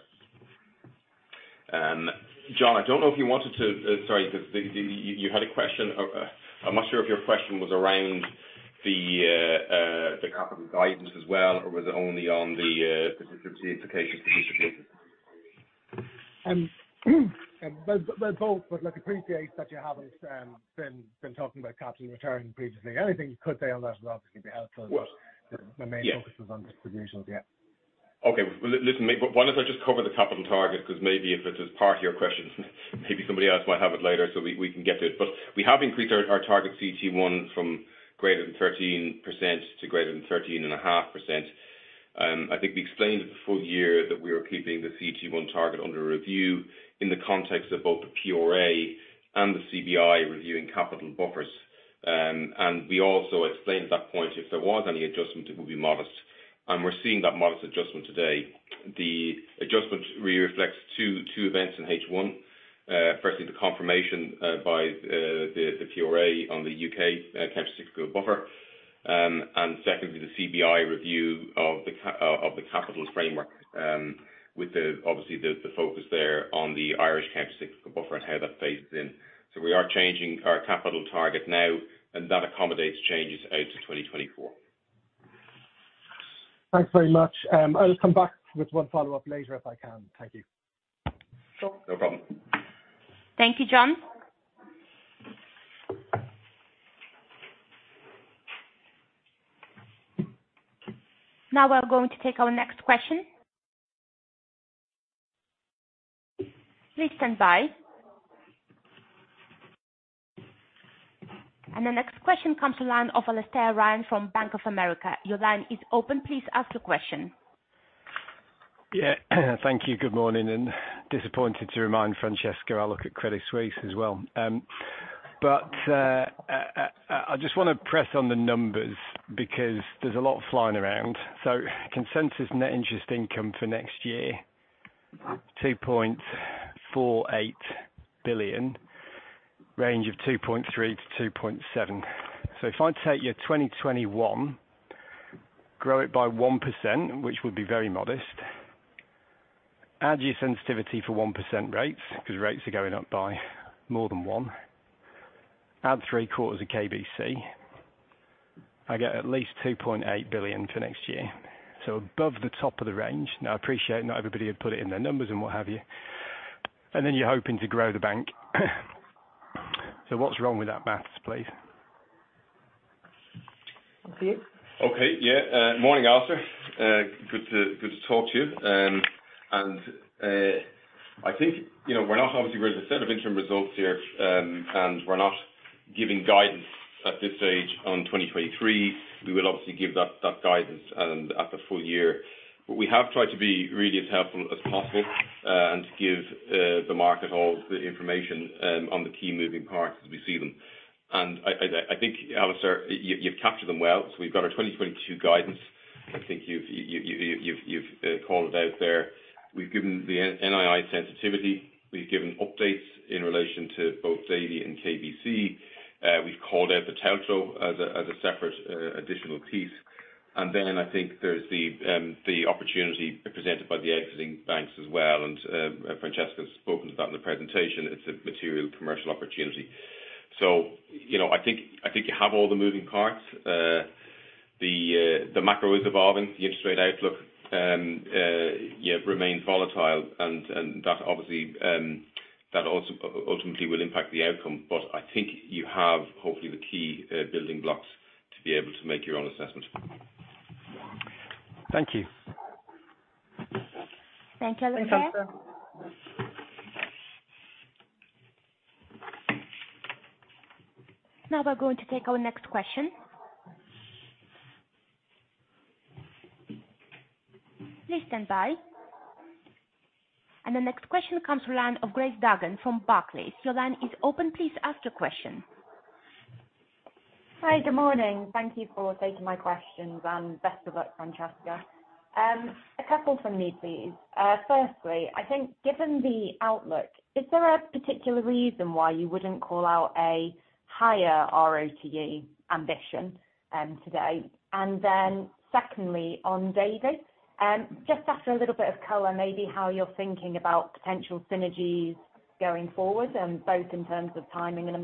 Speaker 3: John, I don't know if you wanted to. Sorry, you had a question. I'm not sure if your question was around the capital guidance as well, or was it only on the sensitivity implications to distributions?
Speaker 5: They're both. Look, appreciate that you haven't been talking about capital return previously. Anything you could say on that as well, obviously be helpful.
Speaker 3: Well, yes.
Speaker 5: The main focus was on distributions, yeah.
Speaker 3: Okay. Well, listen, why don't I just cover the capital target? 'Cause maybe if it was part of your question maybe somebody else might have it later, so we can get to it. We have increased our target CET1 from greater than 13% to greater than 13.5%. I think we explained at the full year that we were keeping the CET1 target under review in the context of both the PRA and the CBI reviewing capital buffers. We also explained at that point if there was any adjustment, it would be modest, and we're seeing that modest adjustment today. The adjustment really reflects two events in H1. Firstly, the confirmation by the PRA on the U.K. countercyclical buffer. Secondly, the CBI review of the capital framework, with obviously the focus there on the Irish countercyclical buffer and how that phases in. We are changing our capital target now and that accommodates changes out to 2024.
Speaker 5: Thanks very much. I'll come back with one follow-up later if I can. Thank you.
Speaker 3: Sure. No problem.
Speaker 1: Thank you, John. Now we are going to take our next question. Please stand by. The next question comes to line of Alastair Ryan from Bank of America. Your line is open. Please ask your question.
Speaker 6: Yeah. Thank you. Good morning, and just to remind Francesca I look at Credit Suisse as well. I just wanna press on the numbers because there's a lot flying around. Consensus net interest income for next year, 2.48 billion, range of 2.3 billion-2.7 billion. If I take your 2021, grow it by 1%, which would be very modest, add your sensitivity for 1% rates, 'cause rates are going up by more than 1%, add three quarters of KBCI, get at least 2.8 billion for next year. Above the top of the range. Now, I appreciate not everybody had put it in their numbers and what have you. Then you're hoping to grow the bank. What's wrong with that math, please?
Speaker 1: Thank you.
Speaker 3: Okay. Morning, Alastair. Good to talk to you. I think, you know, we're not obviously at the outset of interim results here, and we're not giving guidance at this stage on 2023. We will obviously give that guidance at the full year. We have tried to be really as helpful as possible, and to give the market all the information on the key moving parts as we see them. I think, Alastair, you've captured them well. We've got our 2022 guidance. I think you've called it out there. We've given the NII sensitivity. We've given updates in relation to both Davy and KBC. We've called out the TLTRO as a separate additional piece. I think there's the opportunity presented by the exiting banks as well, and Francesca's spoken about in the presentation. It's a material commercial opportunity. You know, I think you have all the moving parts. The macro is evolving, the interest rate outlook, yeah, remains volatile. That obviously that also ultimately will impact the outcome. I think you have hopefully the key building blocks to be able to make your own assessment.
Speaker 6: Thank you.
Speaker 1: Thank you, Alastair.
Speaker 2: Thanks, Alastair.
Speaker 1: Now we're going to take our next question. Please stand by. The next question comes from the line of Grace Dargan from Barclays. Your line is open. Please ask your question.
Speaker 7: Hi. Good morning. Thank you for taking my questions, and best of luck, Francesca. A couple from me, please. Firstly, I think given the outlook, is there a particular reason why you wouldn't call out a higher ROTE ambition, today? Secondly, on Davy, just after a little bit of color, maybe how you're thinking about potential synergies going forward, both in terms of timing and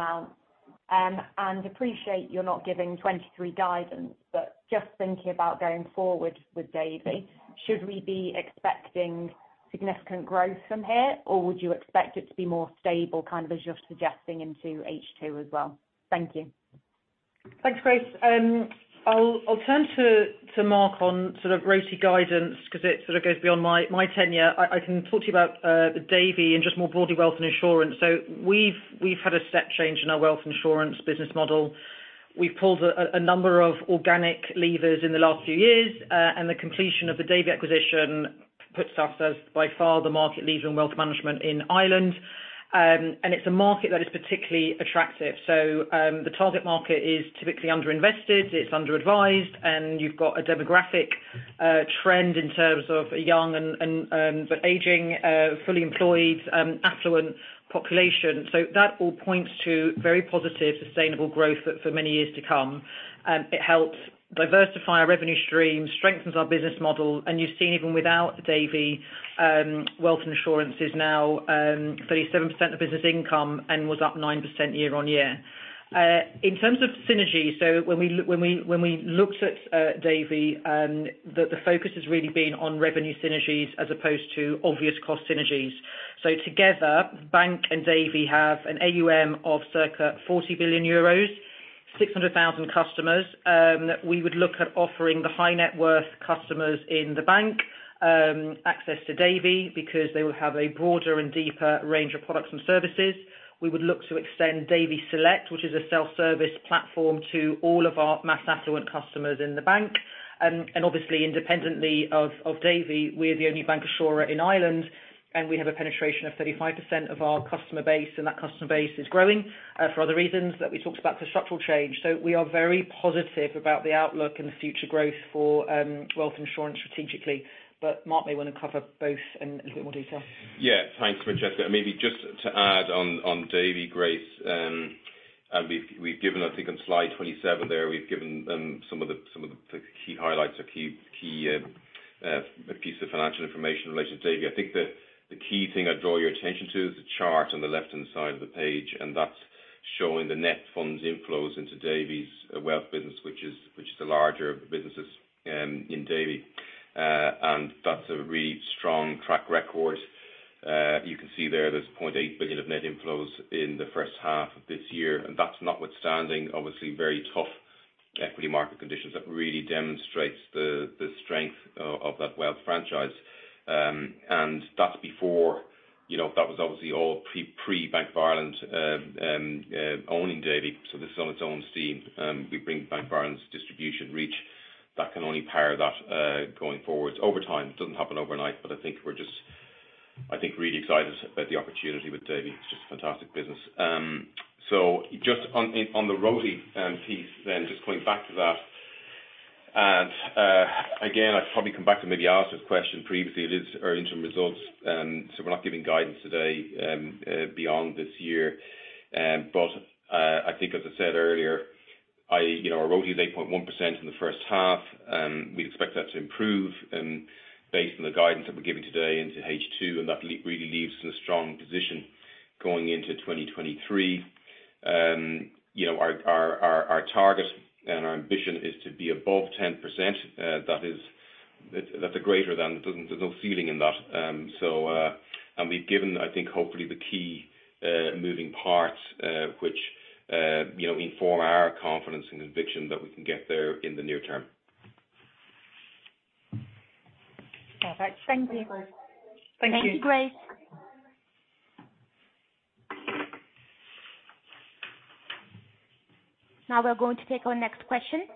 Speaker 7: amount. Appreciate you're not giving 2023 guidance, but just thinking about going forward with Davy, should we be expecting significant growth from here, or would you expect it to be more stable, kind of as you're suggesting, into H2 as well? Thank you.
Speaker 2: Thanks, Grace. I'll turn to Mark on sort of ROTE guidance because it sort of goes beyond my tenure. I can talk to you about Davy and just more broadly, wealth and insurance. We've had a step change in our wealth insurance business model. We've pulled a number of organic levers in the last few years, and the completion of the Davy acquisition puts us as by far the market leader in wealth management in Ireland. It's a market that is particularly attractive. The target market is typically underinvested, it's under advised, and you've got a demographic trend in terms of young but aging, fully employed, affluent population. That all points to very positive, sustainable growth for many years to come. It helps diversify our revenue stream, strengthens our business model. You've seen even without Davy, wealth and insurance is now 37% of business income and was up 9% year-on-year. In terms of synergy, when we looked at Davy, the focus has really been on revenue synergies as opposed to obvious cost synergies. Together, Bank and Davy have an AUM of circa 40 billion euros, 600,000 customers, that we would look at offering the high net worth customers in the bank access to Davy because they will have a broader and deeper range of products and services. We would look to extend Davy Select, which is a self-service platform, to all of our mass affluent customers in the bank. Obviously independently of Davy, we're the only bank assurer in Ireland, and we have a penetration of 35% of our customer base, and that customer base is growing for other reasons that we talked about for structural change. We are very positive about the outlook and the future growth for wealth and insurance strategically. Mark may want to cover both in a little bit more detail.
Speaker 3: Yeah. Thanks, Francesca. Maybe just to add on Davy, Grace. We've given, I think on slide 27 there, we've given some of the key highlights or key pieces of financial information related to Davy. I think the key thing I'd draw your attention to is the chart on the left-hand side of the page, and that's showing the net funds inflows into Davy's wealth business, which is the larger of the businesses in Davy. That's a really strong track record. You can see there's 0.8 billion of net inflows in the first half of this year. That's notwithstanding obviously very tough equity market conditions. That really demonstrates the strength of that wealth franchise. That's before, you know, that was obviously all pre Bank of Ireland owning Davy. This is on its own steam. We bring Bank of Ireland's distribution reach. That can only power that going forwards over time. It doesn't happen overnight, but I think we're just really excited about the opportunity with Davy. It's just a fantastic business. Just on the ROTE piece then, just coming back to that, again, I'd probably come back to maybe Alastair's question previously. It is our interim results, so we're not giving guidance today beyond this year. I think as I said earlier, you know, our ROTE is 8.1% in the first half. We expect that to improve, based on the guidance that we're giving today into H2, and that really leaves us in a strong position. Going into 2023, you know, our target and our ambition is to be above 10%. That is, that's a greater than. There's no ceiling in that. We've given, I think, hopefully the key moving parts, which, you know, inform our confidence and conviction that we can get there in the near term.
Speaker 7: All right. Thank you.
Speaker 2: Thank you.
Speaker 1: Thank you, Grace. Now, we're going to take our next question.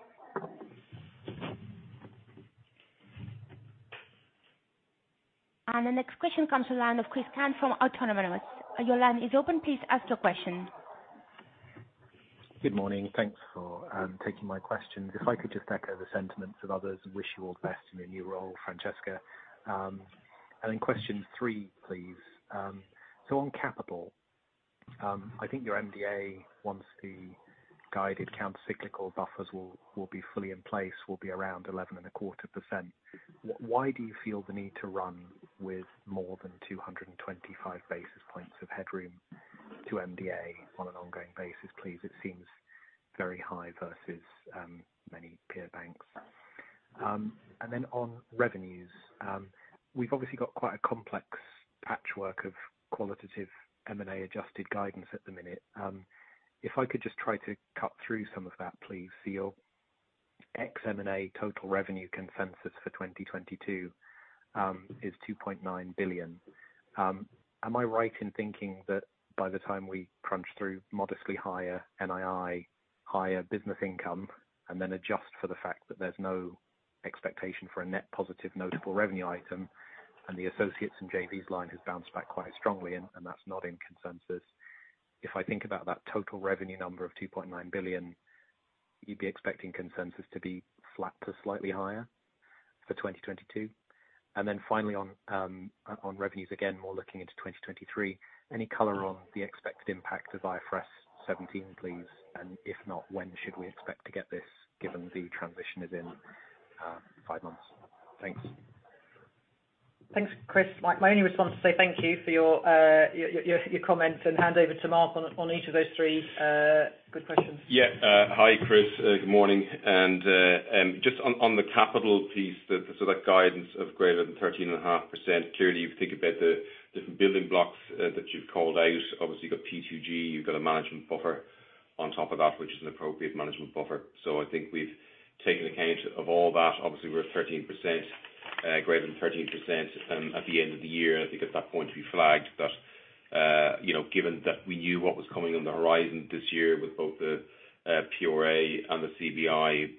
Speaker 1: The next question comes from the line of Chris Cant from Autonomous. Your line is open. Please ask your question.
Speaker 8: Good morning. Thanks for taking my question. If I could just echo the sentiments of others and wish you all the best in your new role, Francesca. Question three, please. On capital, I think your MDA, once the guided countercyclical buffers will be fully in place, will be around 11.25%. Why do you feel the need to run with more than 225 basis points of headroom to MDA on an ongoing basis, please? It seems very high versus many peer banks. On revenues, we've obviously got quite a complex patchwork of qualitative M&A adjusted guidance at the minute. If I could just try to cut through some of that, please. Your ex M&A total revenue consensus for 2022 is 2.9 billion. Am I right in thinking that by the time we crunch through modestly higher NII, higher business income, and then adjust for the fact that there's no expectation for a net positive notable revenue item, and the associates and JVs line has bounced back quite strongly, and that's not in consensus. If I think about that total revenue number of 2.9 billion, you'd be expecting consensus to be flat to slightly higher for 2022? Finally on revenues, again, more looking into 2023, any color on the expected impact of IFRS 17, please? If not, when should we expect to get this, given the transition is in five months? Thanks.
Speaker 2: Thanks, Chris. My only response to say thank you for your comment and hand over to Mark on each of those three good questions.
Speaker 3: Yeah. Hi, Chris. Good morning. Just on the capital piece, so that guidance of greater than 13.5%. Clearly, if you think about the different building blocks that you've called out, obviously you've got P2G, you've got a management buffer on top of that, which is an appropriate management buffer. I think we've taken account of all that. Obviously, we're at 13%, greater than 13%, at the end of the year. I think at that point we flagged that, you know, given that we knew what was coming on the horizon this year with both the PRA and the CBI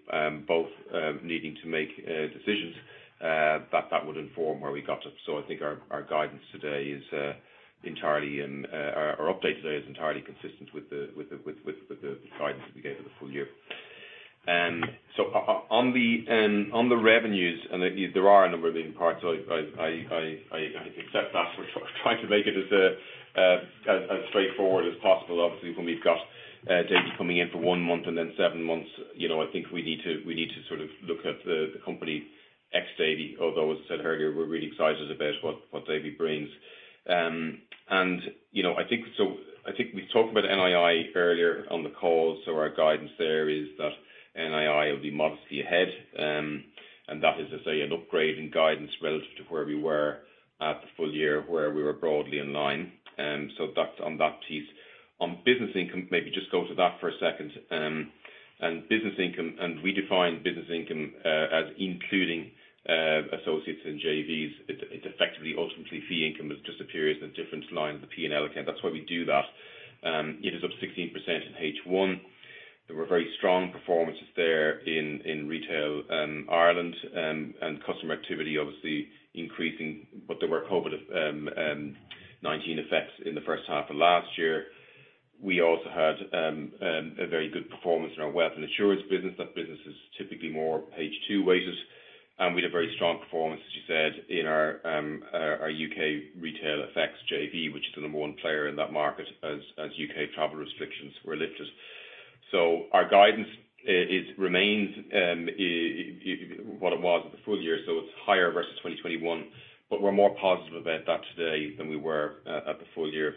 Speaker 3: needing to make decisions, that would inform where we got to. I think our guidance today is entirely, and our update today is entirely consistent with the guidance that we gave for the full year. On the revenues, there are a number of moving parts. I accept that we're trying to make it as straightforward as possible. Obviously, when we've got Davy coming in for one month and then seven months, you know, I think we need to sort of look at the company ex Davy, although, as I said earlier, we're really excited about what Davy brings. You know, I think we talked about NII earlier on the call. Our guidance there is that NII will be modestly ahead. That is to say an upgrade in guidance relative to where we were at the full year, where we were broadly in line. That's on that piece. On business income, maybe just go to that for a second. We define business income as including associates and JVs. It effectively, ultimately, fee income. It just appears in a different line of the P&L account. That's why we do that. It is up 16% in H1. There were very strong performances there in retail, Ireland, and customer activity obviously increasing. There were COVID-19 effects in the first half of last year. We also had a very good performance in our wealth and assurance business. That business is typically more H2 weighted, and we had a very strong performance, as you said, in our U.K. Retail FX JV, which is the number one player in that market as U.K... Travel restrictions were lifted. Our guidance remains what it was at the full year, so it's higher versus 2021, but we're more positive about that today than we were at the full year.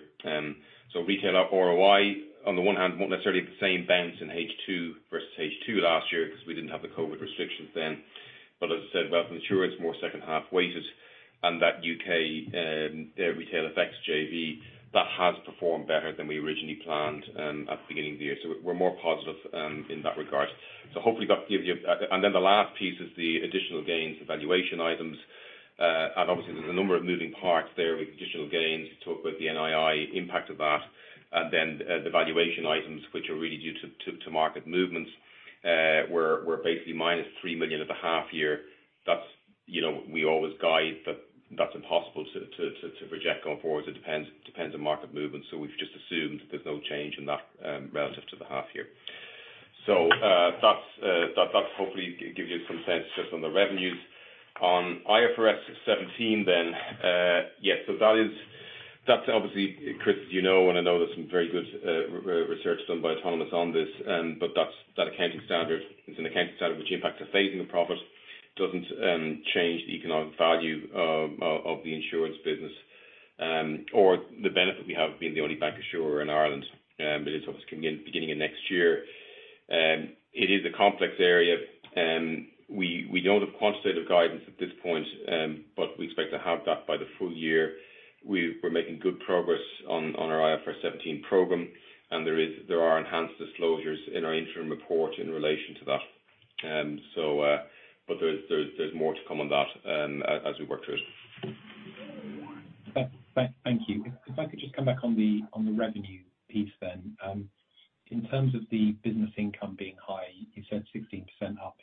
Speaker 3: Retail ROI, on the one hand, won't necessarily have the same bends in H2 versus H2 last year because we didn't have the COVID restrictions then. As I said, wealth and assurance, more second half weighted. That U.K. Retail FX JV has performed better than we originally planned at the beginning of the year. We're more positive in that regard. Hopefully that gives you. And then the last piece is the additional gains, the valuation items. And obviously there's a number of moving parts there with additional gains. We talked about the NII impact of that. And then, the valuation items which are really due to market movements, were basically -3 million at the half year. That's, you know, we always guide, but that's impossible to project going forward. It depends on market movements. We've just assumed there's no change in that, relative to the half year. That's that hopefully gives you some sense just on the revenues. On IFRS 17 then, yes. That's obviously, Chris, as you know, and I know there's some very good research done by Autonomous Research on this, but that's that accounting standard is an accounting standard which impacts the savings and profit. Doesn't change the economic value of the insurance business or the benefit we have being the only bank insurer in Ireland, beginning of next year. It is a complex area and we don't have quantitative guidance at this point, but we expect to have that by the full year. We're making good progress on our IFRS 17 program, and there are enhanced disclosures in our interim report in relation to that. But there's more to come on that, as we work through it.
Speaker 8: Thank you. If I could just come back on the revenue piece then. In terms of the business income being high, you said 16% up,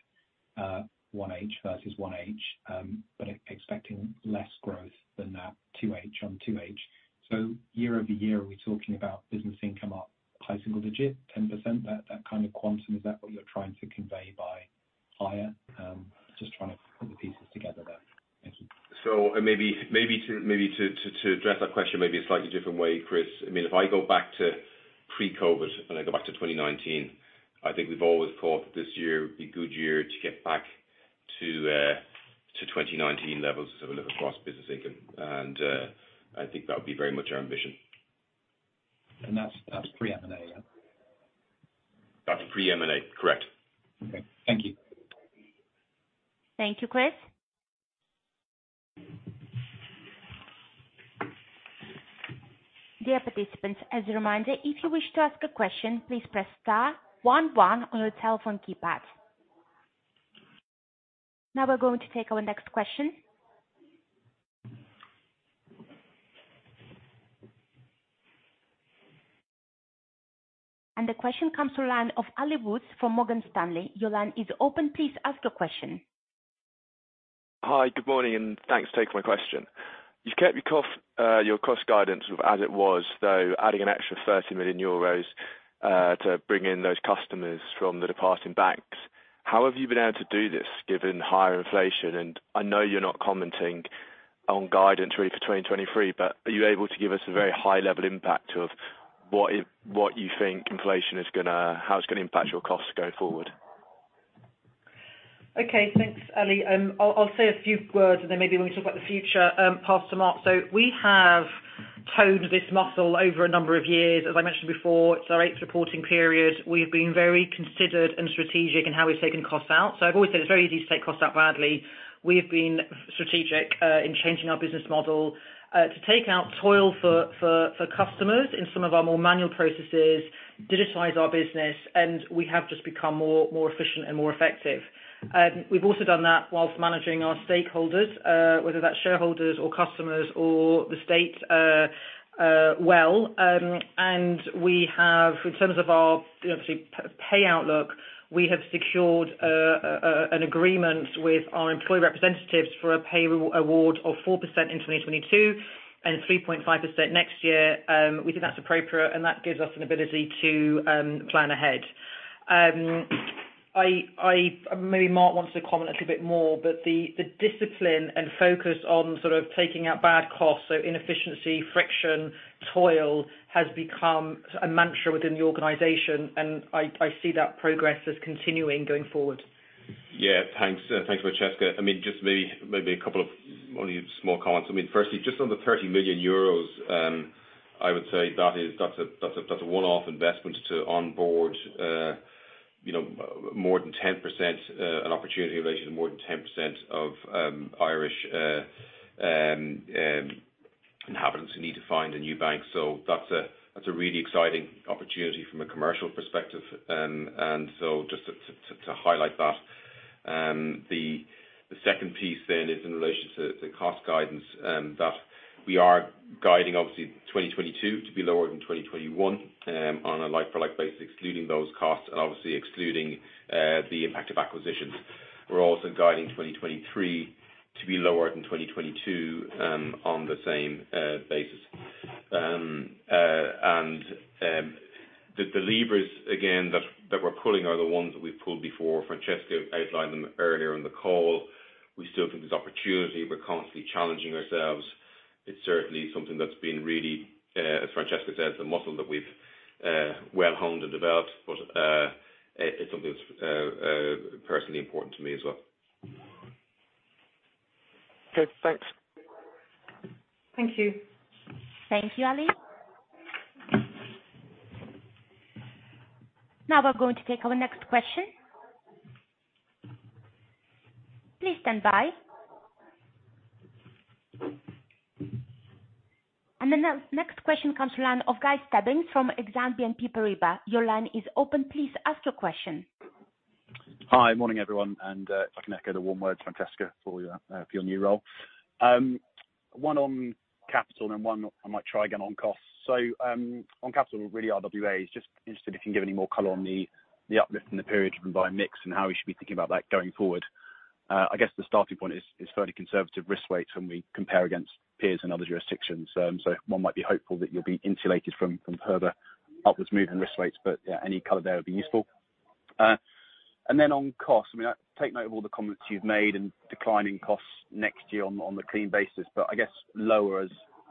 Speaker 8: 1H versus 1H, but expecting less growth than that 2H on 2H. Year-over-year, are we talking about business income up high single digit, 10%? That kind of quantum, is that what you're trying to convey by higher? Just trying to put the pieces together there. Thank you.
Speaker 3: Maybe to address that question maybe a slightly different way, Chris. I mean, if I go back to pre-COVID, and I go back to 2019, I think we've always thought that this year would be a good year to get back to 2019 levels as sort of across business income. I think that would be very much our ambition.
Speaker 8: That's pre-M&A, yeah?
Speaker 3: That's pre-M&A, correct?
Speaker 8: Okay. Thank you.
Speaker 1: Thank you, Chris. Dear participants, as a reminder, if you wish to ask a question, please press star one one on your telephone keypad. Now we're going to take our next question. The question comes to line of Ali Woods from Morgan Stanley. Your line is open. Please ask your question.
Speaker 9: Hi. Good morning, and thanks for taking my question. You've kept your cost guidance as it was, though adding an extra 30 million euros to bring in those customers from the departing banks. How have you been able to do this given higher inflation? I know you're not commenting on guidance really for 2023, but are you able to give us a very high level impact of how it's gonna impact your costs going forward?
Speaker 2: Okay. Thanks, Ali. I'll say a few words, and then maybe when we talk about the future, pass to Mark. We have toned this muscle over a number of years. As I mentioned before, it's our eighth reporting period. We've been very considered and strategic in how we've taken costs out. I've always said it's very easy to take costs out badly. We have been strategic in changing our business model to take out toil for customers in some of our more manual processes, digitize our business, and we have just become more efficient and more effective. We've also done that while managing our stakeholders, whether that's shareholders or customers or the state, well. We have in terms of our, you know, pay outlook, we have secured an agreement with our employee representatives for a pay award of 4% in 2022 and 3.5% next year. We think that's appropriate, and that gives us an ability to plan ahead. I maybe Mark wants to comment a little bit more, but the discipline and focus on sort of taking out bad costs, so inefficiency, friction, toil, has become a mantra within the organization, and I see that progress as continuing going forward.
Speaker 3: Yeah. Thanks. Thanks, Francesca. I mean, just maybe a couple of only small comments. I mean, firstly, just on the 30 million euros, I would say that's a one-off investment to onboard, you know, more than 10%, an opportunity related to more than 10% of Irish inhabitants who need to find a new bank. That's a really exciting opportunity from a commercial perspective. Just to highlight that. The second piece then is in relation to cost guidance that we are guiding obviously 2022 to be lower than 2021 on a like-for-like basis, excluding those costs and obviously excluding the impact of acquisitions. We're also guiding 2023 to be lower than 2022 on the same basis. The levers again that we're pulling are the ones we've pulled before. Francesca outlined them earlier in the call. We still think there's opportunity. We're constantly challenging ourselves. It's certainly something that's been really, as Francesca says, a muscle that we've well honed and developed, but it's something that's personally important to me as well.
Speaker 9: Good. Thanks.
Speaker 2: Thank you.
Speaker 1: Thank you, Ali. Now we're going to take our next question. Please stand by. The next question comes from the line of Guy Stebbings from BNP Paribas Exane. Your line is open. Please ask your question.
Speaker 10: Hi. Morning, everyone, and if I can echo the warm words, Francesca, for your new role. One on capital and one I might try again on costs. On capital, really RWA, just interested if you can give any more color on the uplift in the period driven by mix and how we should be thinking about that going forward. I guess the starting point is fairly conservative risk weights when we compare against peers in other jurisdictions. One might be hopeful that you'll be insulated from further upwards movement risk weights, but yeah, any color there would be useful. On cost, I mean, I take note of all the comments you've made and declining costs next year on the clean basis, but I guess lower as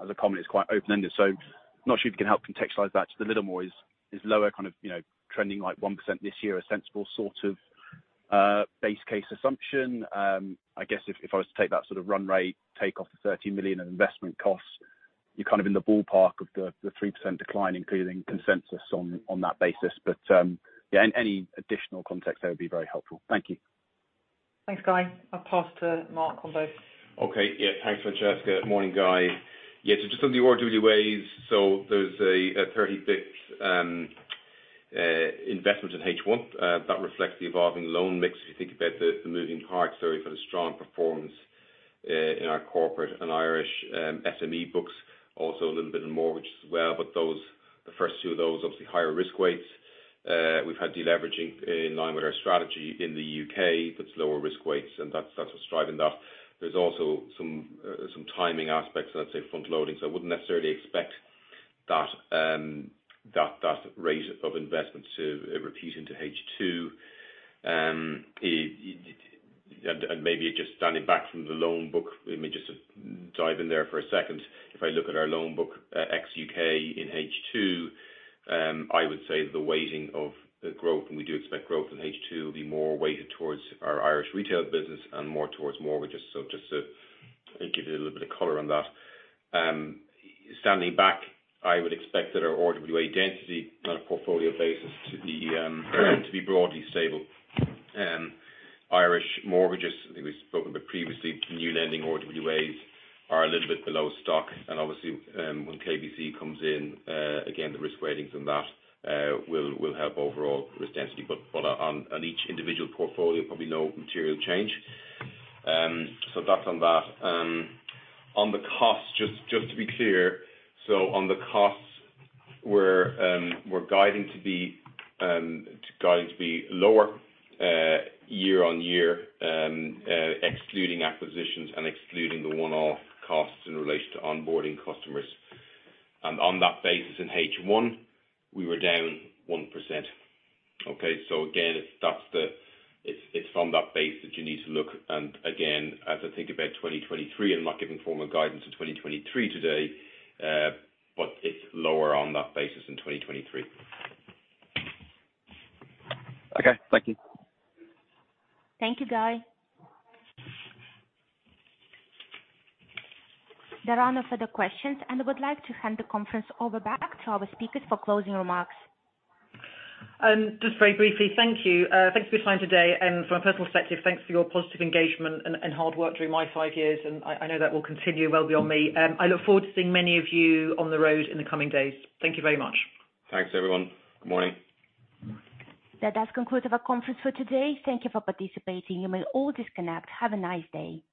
Speaker 10: a comment is quite open-ended. Not sure if you can help contextualize that just a little more. Is lower kind of, you know, trending like 1% this year a sensible sort of base case assumption? I guess if I was to take that sort of run rate, take off the 13 million in investment costs, you're kind of in the ballpark of the 3% decline including consensus on that basis. Yeah, any additional context there would be very helpful. Thank you.
Speaker 2: Thanks, Guy. I'll pass to Mark on those.
Speaker 3: Okay. Yeah, thanks Francesca. Morning, Guy. Yeah, so just on the RWAs, so there's a 30 basis points investment in H1. That reflects the evolving loan mix. If you think about the moving parts really for the strong performance in our corporate and Irish SME books, also a little bit in mortgage as well, but those, the first two of those obviously higher risk weights. We've had deleveraging in line with our strategy in the U.K., that's lower risk weights and that's what's driving that. There's also some timing aspects and I'd say front loading, so I wouldn't necessarily expect that rate of investment to repeat into H2. Maybe just standing back from the loan book, let me just dive in there for a second. If I look at our loan book, ex U.K. in H2, I would say the weighting of the growth, and we do expect growth in H2, will be more weighted towards our Irish retail business and more towards mortgages. Just to give you a little bit of color on that. Standing back, I would expect that our RWA density on a portfolio basis to be broadly stable. Irish mortgages, I think we've spoken about previously, new lending RWAs are a little bit below stock. Obviously, when KBC comes in, again, the risk weightings on that will help overall risk density. But on each individual portfolio, probably no material change. That's on that. On the costs, just to be clear, so on the costs we're guiding to be lower year on year, excluding acquisitions and excluding the one-off costs in relation to onboarding customers. On that basis in H1, we were down 1%. Okay. Again, it's from that base that you need to look. Again, as I think about 2023, I'm not giving formal guidance for 2023 today, but it's lower on that basis in 2023.
Speaker 10: Okay. Thank you.
Speaker 1: Thank you, Guy. There are no further questions, and I would like to hand the conference over back to our speakers for closing remarks.
Speaker 2: Just very briefly, thank you. Thanks for your time today. From a personal perspective, thanks for your positive engagement and hard work during my five years, and I know that will continue well beyond me. I look forward to seeing many of you on the road in the coming days. Thank you very much.
Speaker 3: Thanks everyone. Good morning.
Speaker 1: That does conclude our conference for today. Thank you for participating. You may all disconnect. Have a nice day.